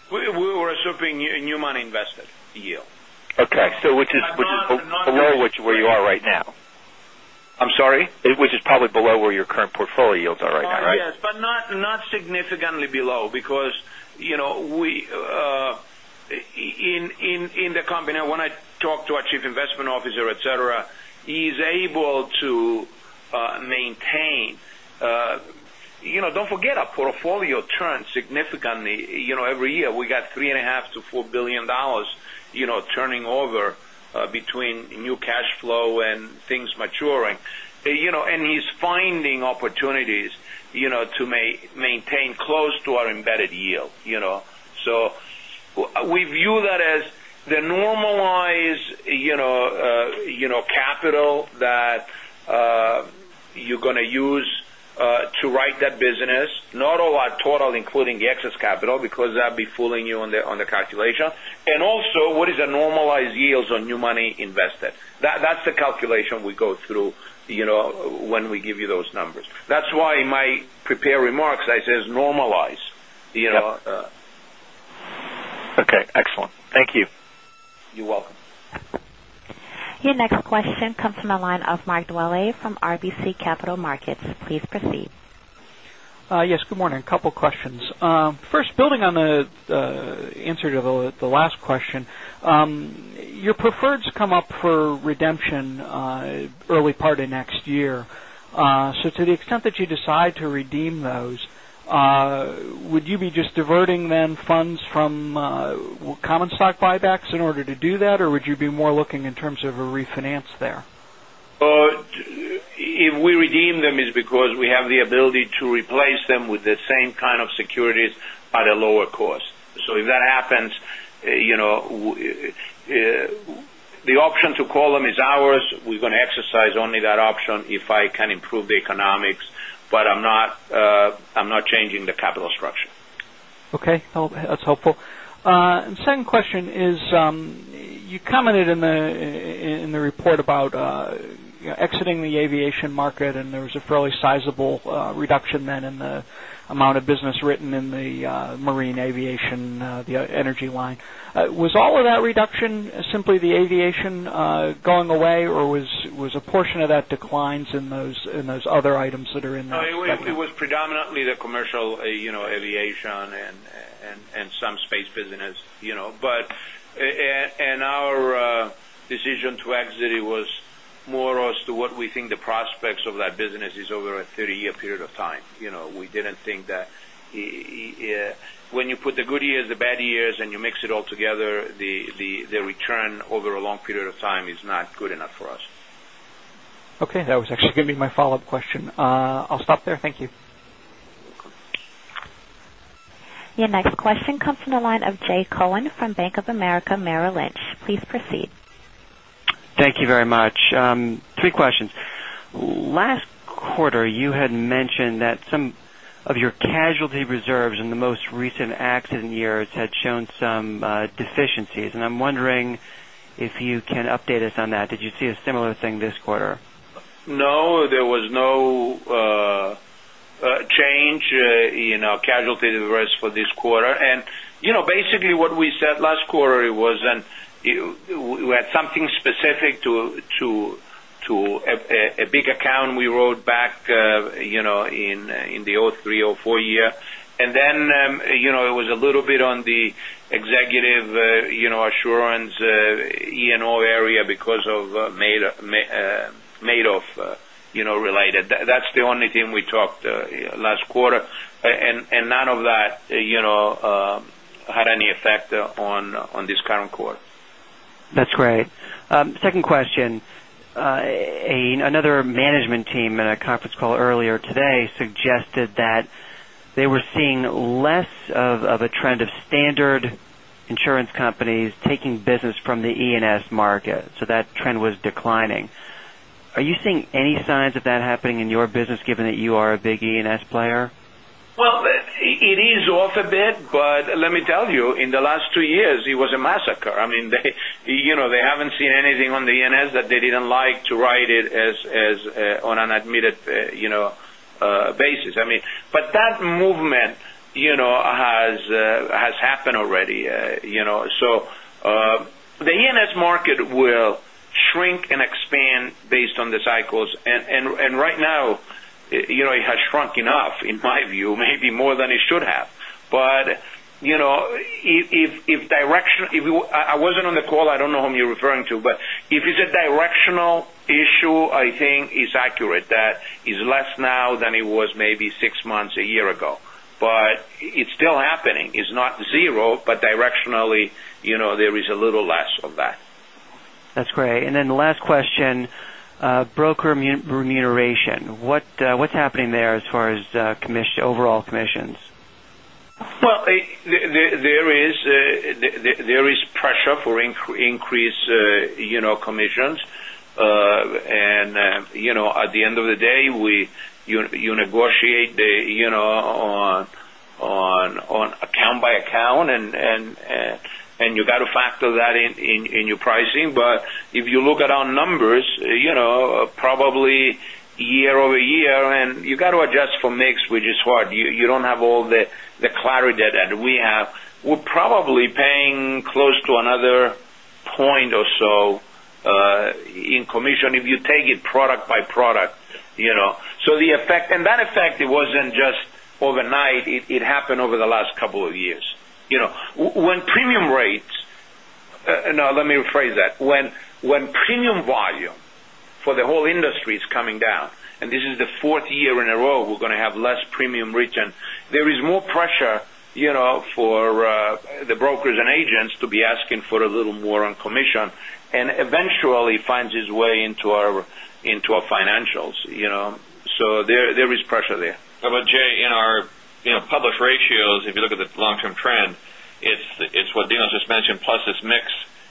We're assuming new money invested yield. Okay. Which is below where you are right now. I'm sorry? Which is probably below where your current portfolio yields are right now, right? Yes. Not significantly below, because in the company, when I talk to our chief investment officer, et cetera, he's able to maintain Don't forget our portfolio turns significantly every year. We got $3.5 billion-$4 billion turning over between new cash flow and things maturing. He's finding opportunities to maintain close to our embedded yield. We view that as the normalized capital that you're going to use to write that business. Not our total, including the excess capital, because that'd be fooling you on the calculation. Also, what is the normalized yields on new money invested? That's the calculation we go through when we give you those numbers. That's why in my prepared remarks, I says normalize. Okay. Excellent. Thank you. You're welcome. Your next question comes from the line of Mark Dwelle from RBC Capital Markets. Please proceed. Yes, good morning. A couple questions. First, building on the answer to the last question. Your preferreds come up for redemption early part of next year. To the extent that you decide to redeem those, would you be just diverting then funds from common stock buybacks in order to do that, or would you be more looking in terms of a refinance there? If we redeem them, it's because we have the ability to replace them with the same kind of securities at a lower cost. If that happens, the option to call them is ours. We're going to exercise only that option if I can improve the economics, but I'm not changing the capital structure. Okay. That's helpful. Second question is, you commented in the report about exiting the aviation market. There was a fairly sizable reduction then in the amount of business written in the marine aviation, the energy line. Was all of that reduction simply the aviation going away, or was a portion of that declines in those other items that are in that segment? It was predominantly the commercial aviation and some space business. Our decision to exit it was more as to what we think the prospects of that business is over a 30-year period of time. We didn't think that when you put the good years, the bad years, and you mix it all together, the return over a long period of time is not good enough for us. Okay. That was actually going to be my follow-up question. I'll stop there. Thank you. You're welcome. Your next question comes from the line of Jay Cohen from Bank of America Merrill Lynch. Please proceed. Thank you very much. Three questions. Last quarter, you had mentioned that some of your casualty reserves in the most recent accident years had shown some deficiencies, and I'm wondering if you can update us on that. Did you see a similar thing this quarter? No. There was no change in our casualty reserves for this quarter. Basically what we said last quarter was we had something specific to a big account we wrote back in the 2003, 2004 year. Then it was a little bit on the Executive Assurance E&O area because of Madoff related. That's the only thing we talked last quarter. None of that had any effect on this current quarter. That's great. Second question. Another management team in a conference call earlier today suggested that they were seeing less of a trend of standard insurance companies taking business from the E&S market. That trend was declining. Are you seeing any signs of that happening in your business given that you are a big E&S player? Well, it is off a bit, let me tell you, in the last 2 years, it was a massacre. They haven't seen anything on the E&S that they didn't like to write it on an admitted basis. That movement has happened already. The E&S market will shrink and expand based on the cycles, and right now, it has shrunk enough, in my view, maybe more than it should have. I wasn't on the call, I don't know whom you're referring to, if it's a directional issue, I think it's accurate. That it's less now than it was maybe 6 months, 1 year ago. It's still happening. It's not zero, directionally, there is a little less of that. That's great. The last question, broker remuneration. What's happening there as far as overall commissions? Well, there is pressure for increased commissions. At the end of the day, you negotiate on account by account, and you got to factor that in your pricing. If you look at our numbers, probably year-over-year, and you got to adjust for mix, which is hard. You don't have all the clarity that we have. We're probably paying close to another point or so in commission if you take it product by product. That effect, it wasn't just overnight. It happened over the last couple of years. When premium volume for the whole industry is coming down, and this is the 4th year in a row we're going to have less premium written, there is more pressure for the brokers and agents to be asking for a little more on commission, and eventually finds its way into our financials. There is pressure there. Jay, in our published ratios, if you look at the long-term trend, it's what Dinos just mentioned, plus this mix.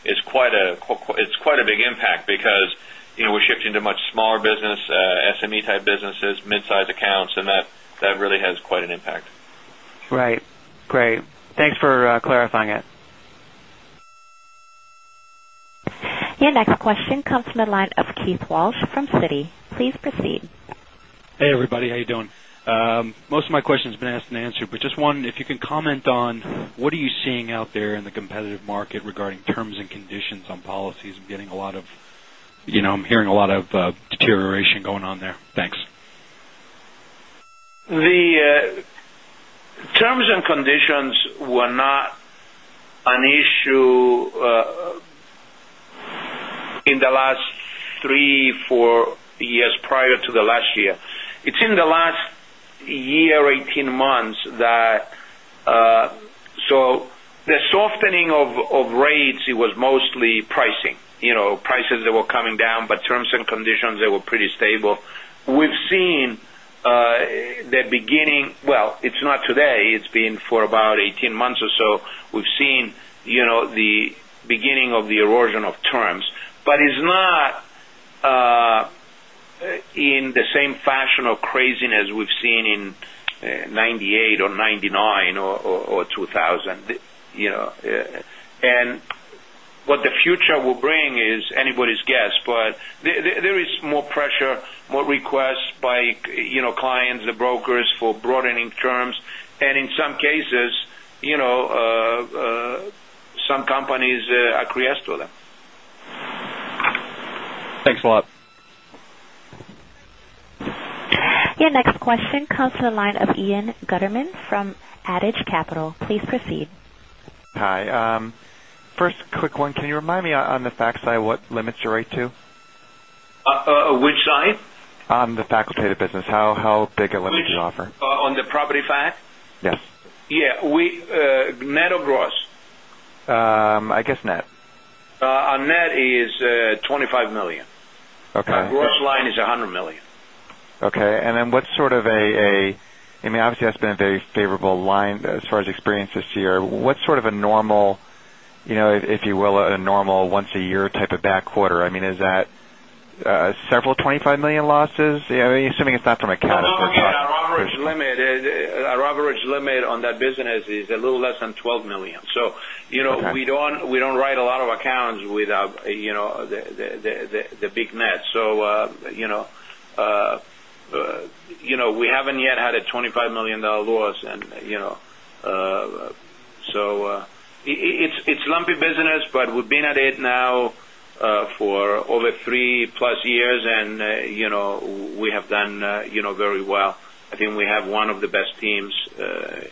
It's quite a big impact because we're shifting to much smaller business, SME type businesses, mid-size accounts, and that really has quite an impact. Right. Great. Thanks for clarifying it. Your next question comes from the line of Keith Walsh from Citi. Please proceed. Hey, everybody. How you doing? Most of my question's been asked and answered, just one, if you can comment on what are you seeing out there in the competitive market regarding terms and conditions on policies? I'm hearing a lot of deterioration going on there. Thanks. The terms and conditions were not an issue in the last three, four years prior to the last year. It's in the last year, 18 months. The softening of rates, it was mostly pricing. Prices that were coming down, but terms and conditions, they were pretty stable. We've seen the beginning, well, it's not today, it's been for about 18 months or so. We've seen the beginning of the erosion of terms, but it's not in the same fashion of craziness we've seen in 1998 or 1999 or 2000. What the future will bring is anybody's guess, but there is more pressure, more requests by clients, the brokers for broadening terms. In some cases, some companies acquiesce to them. Thanks a lot. Your next question comes to the line of Ian Gutterman from Adage Capital. Please proceed. Hi. First quick one, can you remind me on the fac side what limits you write to? Which side? On the facultative business, how big a limit do you offer? On the property fact? Yes. Yeah. Net or gross? I guess net. On net is $25 million. Okay. Our gross line is $100 million. Okay. Obviously that's been a very favorable line as far as experience this year. What's sort of a normal, if you will, a normal once a year type of back quarter? Is that several $25 million losses? Assuming it's not from a cat or something. Our average limit on that business is a little less than $12 million. Okay. We don't write a lot of accounts with the big net. We haven't yet had a $25 million loss. It's lumpy business, but we've been at it now for over three-plus years, and we have done very well. I think we have one of the best teams,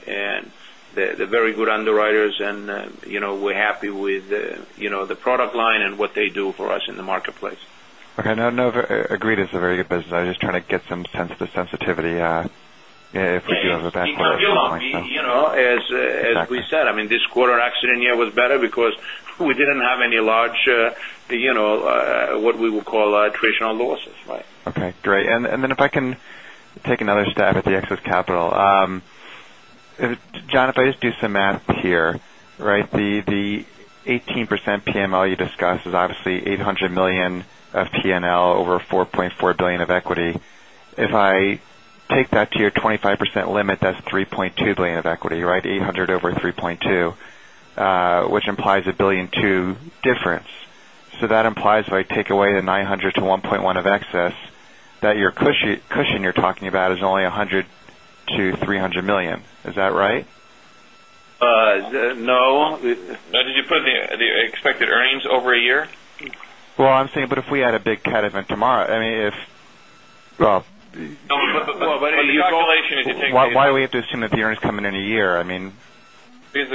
and they're very good underwriters, and we're happy with the product line and what they do for us in the marketplace. Okay. No, agreed it's a very good business. I was just trying to get some sense of the sensitivity if we do have a back quarter at some point. As we said, this quarter actually was better because we didn't have any large, what we would call attritional losses. Okay, great. If I can take another stab at the excess capital. John, if I just do some math here, the 18% PML you discussed is obviously $800 million of P&L over $4.4 billion of equity. If I take that to your 25% limit, that's $3.2 billion of equity. $800 over $3.2, which implies a $1.2 billion difference. That implies if I take away the $900 million-$1.1 billion of excess, that your cushion you're talking about is only $100 million-$300 million. Is that right? No. Did you put the expected earnings over a year? Well, I'm saying, if we had a big cat event tomorrow. No, the calculation is you take the Why do we have to assume that the earnings come in in a year? The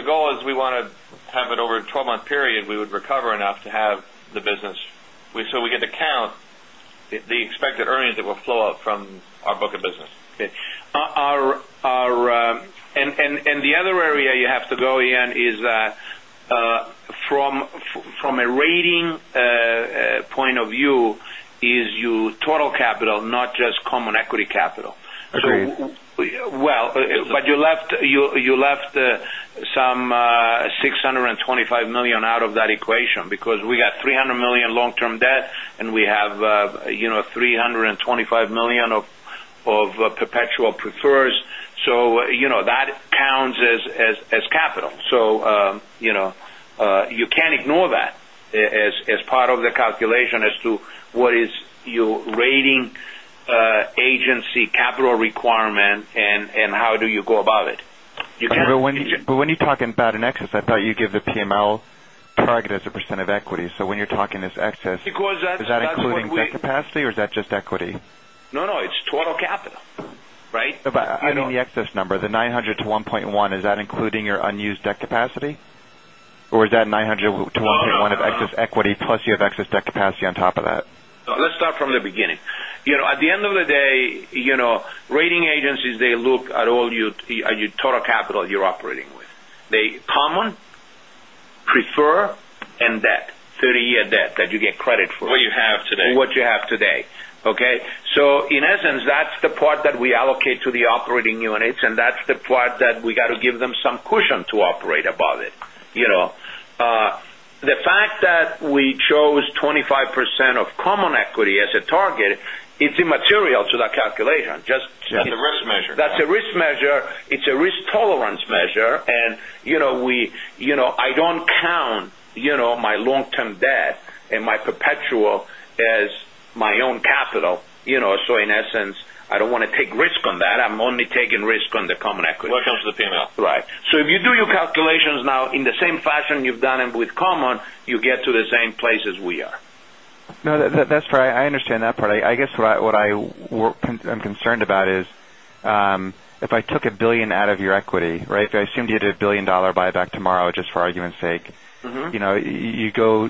goal is we want to have it over a 12-month period, we would recover enough to have the business. We get to count the expected earnings that will flow out from our book of business. Okay. The other area you have to go, Ian, is from a rating point of view is you total capital, not just common equity capital. Agreed. You left some $625 million out of that equation because we got $300 million long-term debt, and we have $325 million of perpetual prefers. That counts as capital. You can't ignore that as part of the calculation as to what is your rating agency capital requirement and how do you go about it. When you're talking about an excess, I thought you gave the PML target as a % of equity. When you're talking this excess- That's what we- Is that including debt capacity or is that just equity? No, no, it's total capital. I mean the excess number, the $900 to $1.1, is that including your unused debt capacity? Or is that $900 to $1.1 of excess equity, plus you have excess debt capacity on top of that? No, let's start from the beginning. At the end of the day, rating agencies, they look at all your total capital you're operating with. The common, prefer, and debt, 30-year debt that you get credit for. What you have today. What you have today. Okay? In essence, that's the part that we allocate to the operating units, and that's the part that we got to give them some cushion to operate above it. The fact that we chose 25% of common equity as a target is immaterial to that calculation. It's a risk measure. That's a risk measure. It's a risk tolerance measure, I don't count my long-term debt and my perpetual as my own capital. In essence, I don't want to take risk on that. I'm only taking risk on the common equity. When it comes to the PML. Right. If you do your calculations now in the same fashion you've done them with common, you get to the same place as we are. No, that's fine. I understand that part. I guess what I'm concerned about is, if I took $1 billion out of your equity. If I assumed you did a $1 billion buyback tomorrow, just for argument's sake. You go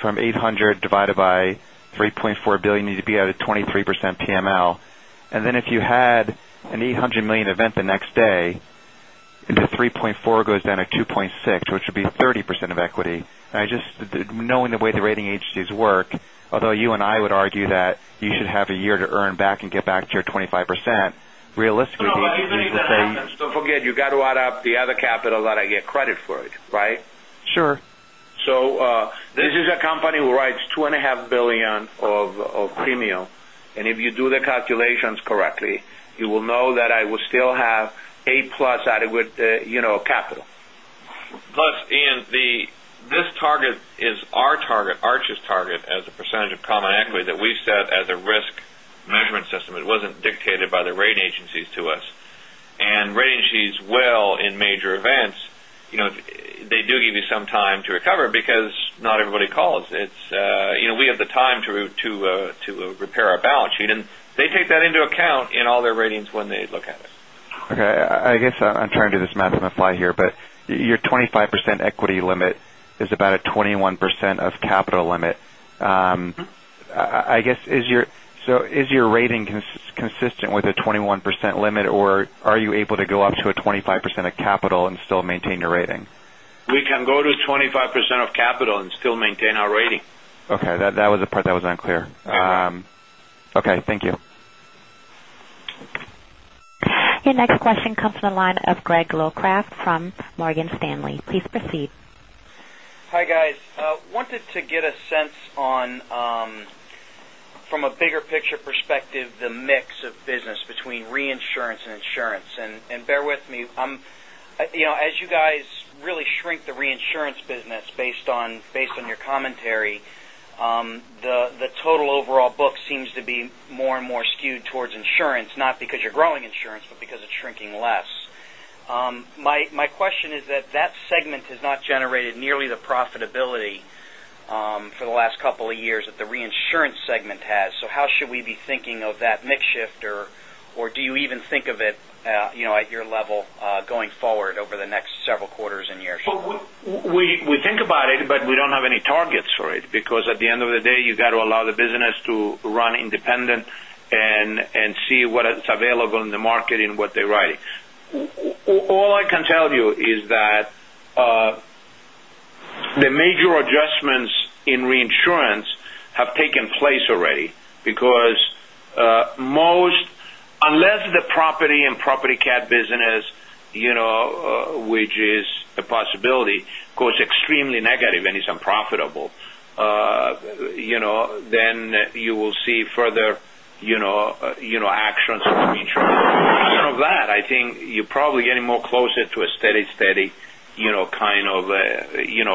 from $800 divided by $3.4 billion, you'd be at a 23% PML. Then if you had an $800 million event the next day, the $3.4 goes down to $2.6, which would be 30% of equity. Knowing the way the rating agencies work, although you and I would argue that you should have a year to earn back and get back to your 25%, realistically people say. No, you think that happens. Don't forget, you got to add up the other capital that I get credit for it, right? Sure. This is a company who writes two and a half billion of premium, and if you do the calculations correctly, you will know that I will still have 8-plus adequate capital. Plus, Ian, this target is our target, Arch's target as a percentage of common equity that we set as a risk measurement system. It wasn't dictated by the rating agencies to us. Rating agencies will, in major events, they do give you some time to recover because not everybody calls. We have the time to repair our balance sheet, and they take that into account in all their ratings when they look at it. Okay. I guess I'm trying to do this math on the fly here, but your 25% equity limit is about a 21% of capital limit. Is your rating consistent with a 21% limit, or are you able to go up to a 25% of capital and still maintain your rating? We can go to 25% of capital and still maintain our rating. Okay. That was the part that was unclear. Okay. Thank you. Your next question comes from the line of Gregory Locraft from Morgan Stanley. Please proceed. Hi, guys. Wanted to get a sense on, from a bigger picture perspective, the mix of business between reinsurance and insurance. Bear with me. As you guys really shrink the reinsurance business based on your commentary, the total overall book seems to be more and more skewed towards insurance, not because you're growing insurance, but because it's shrinking less. My question is that that segment has not generated nearly the profitability for the last couple of years that the reinsurance segment has. How should we be thinking of that mix shift, or do you even think of it at your level going forward over the next several quarters and years? We think about it, we don't have any targets for it because at the end of the day, you got to allow the business to run independent and see what is available in the market and what they're writing. All I can tell you is that the major adjustments in reinsurance have taken place already. Unless the property and property cat business, which is a possibility, goes extremely negative and is unprofitable, then you will see further actions from the insurance. Other than that, I think you're probably getting more closer to a steady kind of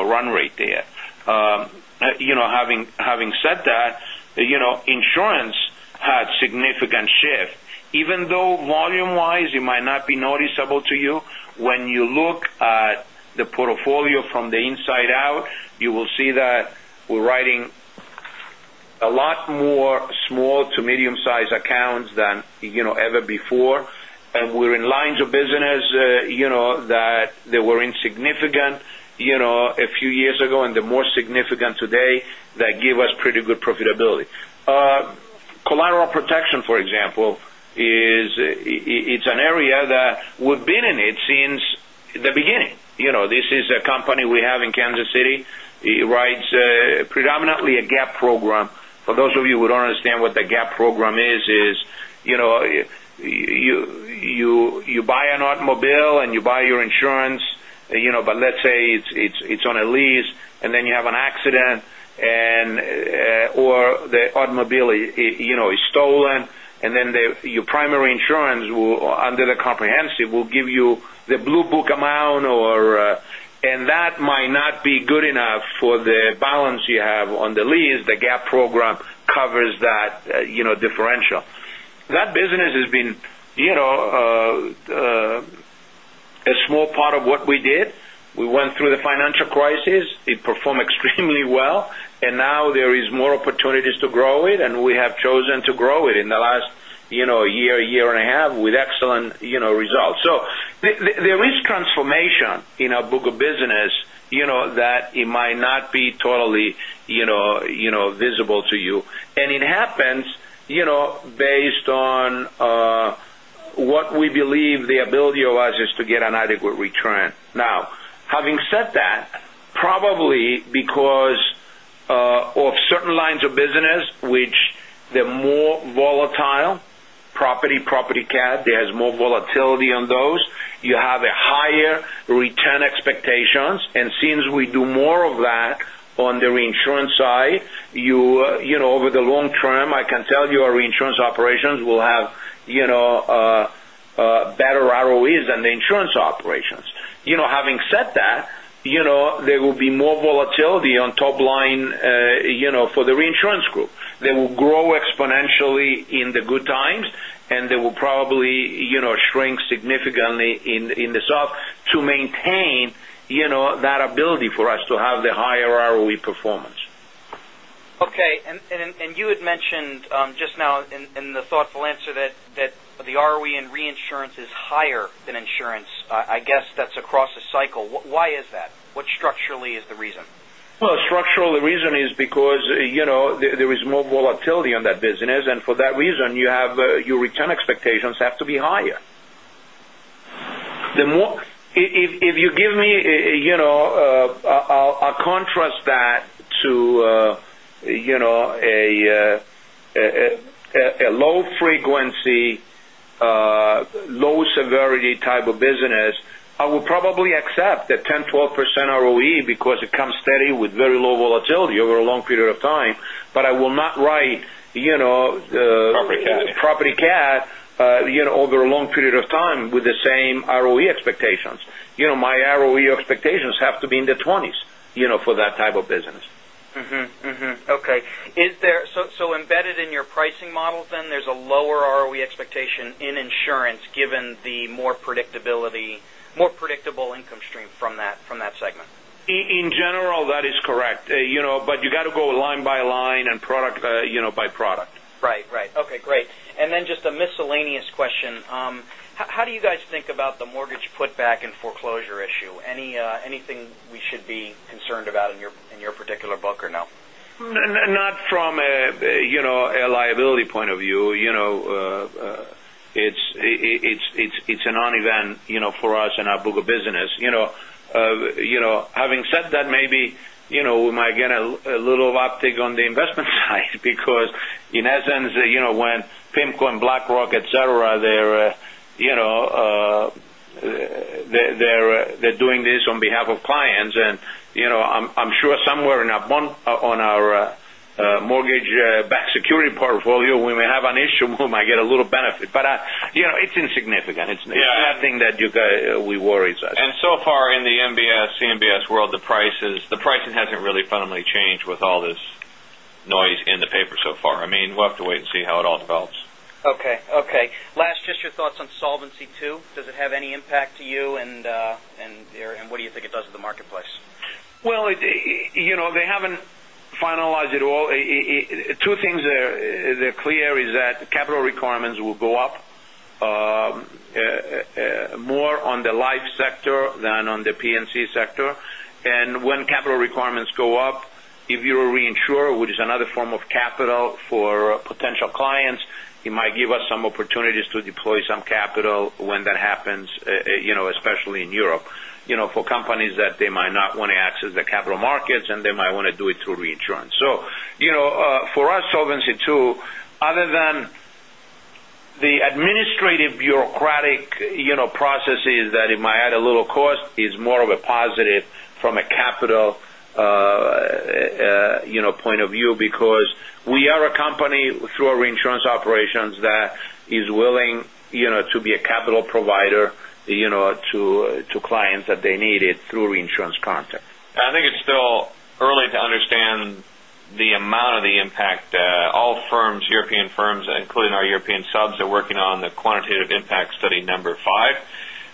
run rate there. Having said that, insurance had significant shift. Even though volume-wise, it might not be noticeable to you, when you look at the portfolio from the inside out, you will see that we're writing a lot more small to medium-size accounts than ever before. We're in lines of business that they were insignificant a few years ago, and they're more significant today. That give us pretty good profitability. Collateral protection, for example, it's an area that we've been in it since the beginning. This is a company we have in Kansas City. It writes predominantly a GAP program. For those of you who don't understand what the GAP program is, you buy an automobile and you buy your insurance. Let's say it's on a lease, and then you have an accident, or the automobile is stolen. Then your primary insurance, under the comprehensive, will give you the Blue Book amount, and that might not be good enough for the balance you have on the lease. The GAP program covers that differential. That business has been a small part of what we did. We went through the financial crisis. It performed extremely well, now there is more opportunities to grow it, we have chosen to grow it in the last year and a half, with excellent results. There is transformation in our book of business, that it might not be totally visible to you. It happens based on what we believe the ability allows us to get an adequate return. Now, having said that, probably because of certain lines of business, which they're more volatile, property cat, there's more volatility on those. You have a higher return expectations. Since we do more of that on the reinsurance side, over the long term, I can tell you our reinsurance operations will have better ROEs than the insurance operations. Having said that, there will be more volatility on top line for the reinsurance group. They will grow exponentially in the good times, they will probably shrink significantly in the soft to maintain that ability for us to have the higher ROE performance. Okay. You had mentioned just now in the thoughtful answer that the ROE in reinsurance is higher than insurance. I guess that's across the cycle. Why is that? What structurally is the reason? Well, structural, the reason is because there is more volatility on that business, for that reason, your return expectations have to be higher. I'll contrast that to a low frequency, low severity type of business. I will probably accept a 10, 12% ROE because it comes steady with very low volatility over a long period of time. I will not. Property cat Property cat over a long period of time with the same ROE expectations. My ROE expectations have to be in the 20s for that type of business. Okay. Embedded in your pricing models, there's a lower ROE expectation in insurance given the more predictable income stream from that segment. In general, that is correct. You got to go line by line and product by product. Right. Okay, great. Then just a miscellaneous question. How do you guys think about the mortgage put back and foreclosure issue? Anything we should be concerned about in your particular book or no? Not from a liability point of view. It's a non-event for us in our book of business. Having said that, maybe we might get a little uptick on the investment side because in essence, when PIMCO and BlackRock, et cetera, they're doing this on behalf of clients, and I'm sure somewhere on our mortgage-backed security portfolio, we may have an issue. We might get a little benefit. It's insignificant. It's nothing that worries us. So far in the MBS, CMBS world, the pricing hasn't really fundamentally changed with all this noise in the paper so far. We'll have to wait and see how it all develops. Okay. Last, just your thoughts on Solvency II. Does it have any impact to you, and what do you think it does to the marketplace? Well, they haven't finalized it all. Two things that are clear is that capital requirements will go up more on the life sector than on the P&C sector. When capital requirements go up, if you're a reinsurer, which is another form of capital for potential clients, it might give us some opportunities to deploy some capital when that happens, especially in Europe, for companies that they might not want to access the capital markets, and they might want to do it through reinsurance. For us, Solvency II, other than the administrative bureaucratic processes that it might add a little cost, is more of a positive from a capital point of view because we are a company through our reinsurance operations that is willing to be a capital provider to clients that they need it through reinsurance contracts. I think it's still early to understand the amount of the impact. All firms, European firms, including our European subs, are working on the quantitative impact study number 5.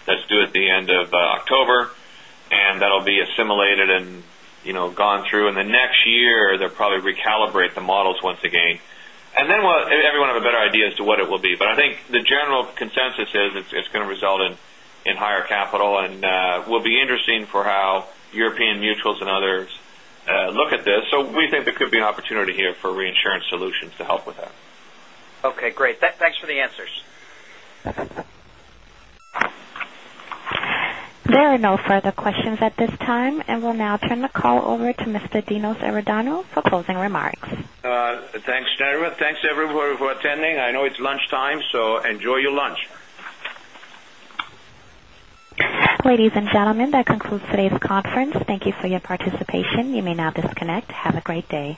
That's due at the end of October, and that'll be assimilated and gone through. In the next year, they'll probably recalibrate the models once again. Everyone will have a better idea as to what it will be. I think the general consensus is it's going to result in higher capital, and will be interesting for how European mutuals and others look at this. We think there could be an opportunity here for reinsurance solutions to help with that. Okay, great. Thanks for the answers. There are no further questions at this time, and we'll now turn the call over to Mr. Dinos Iordanou for closing remarks. Thanks, everyone. Thanks, everyone, for attending. I know it's lunchtime, so enjoy your lunch. Ladies and gentlemen, that concludes today's conference. Thank you for your participation. You may now disconnect. Have a great day.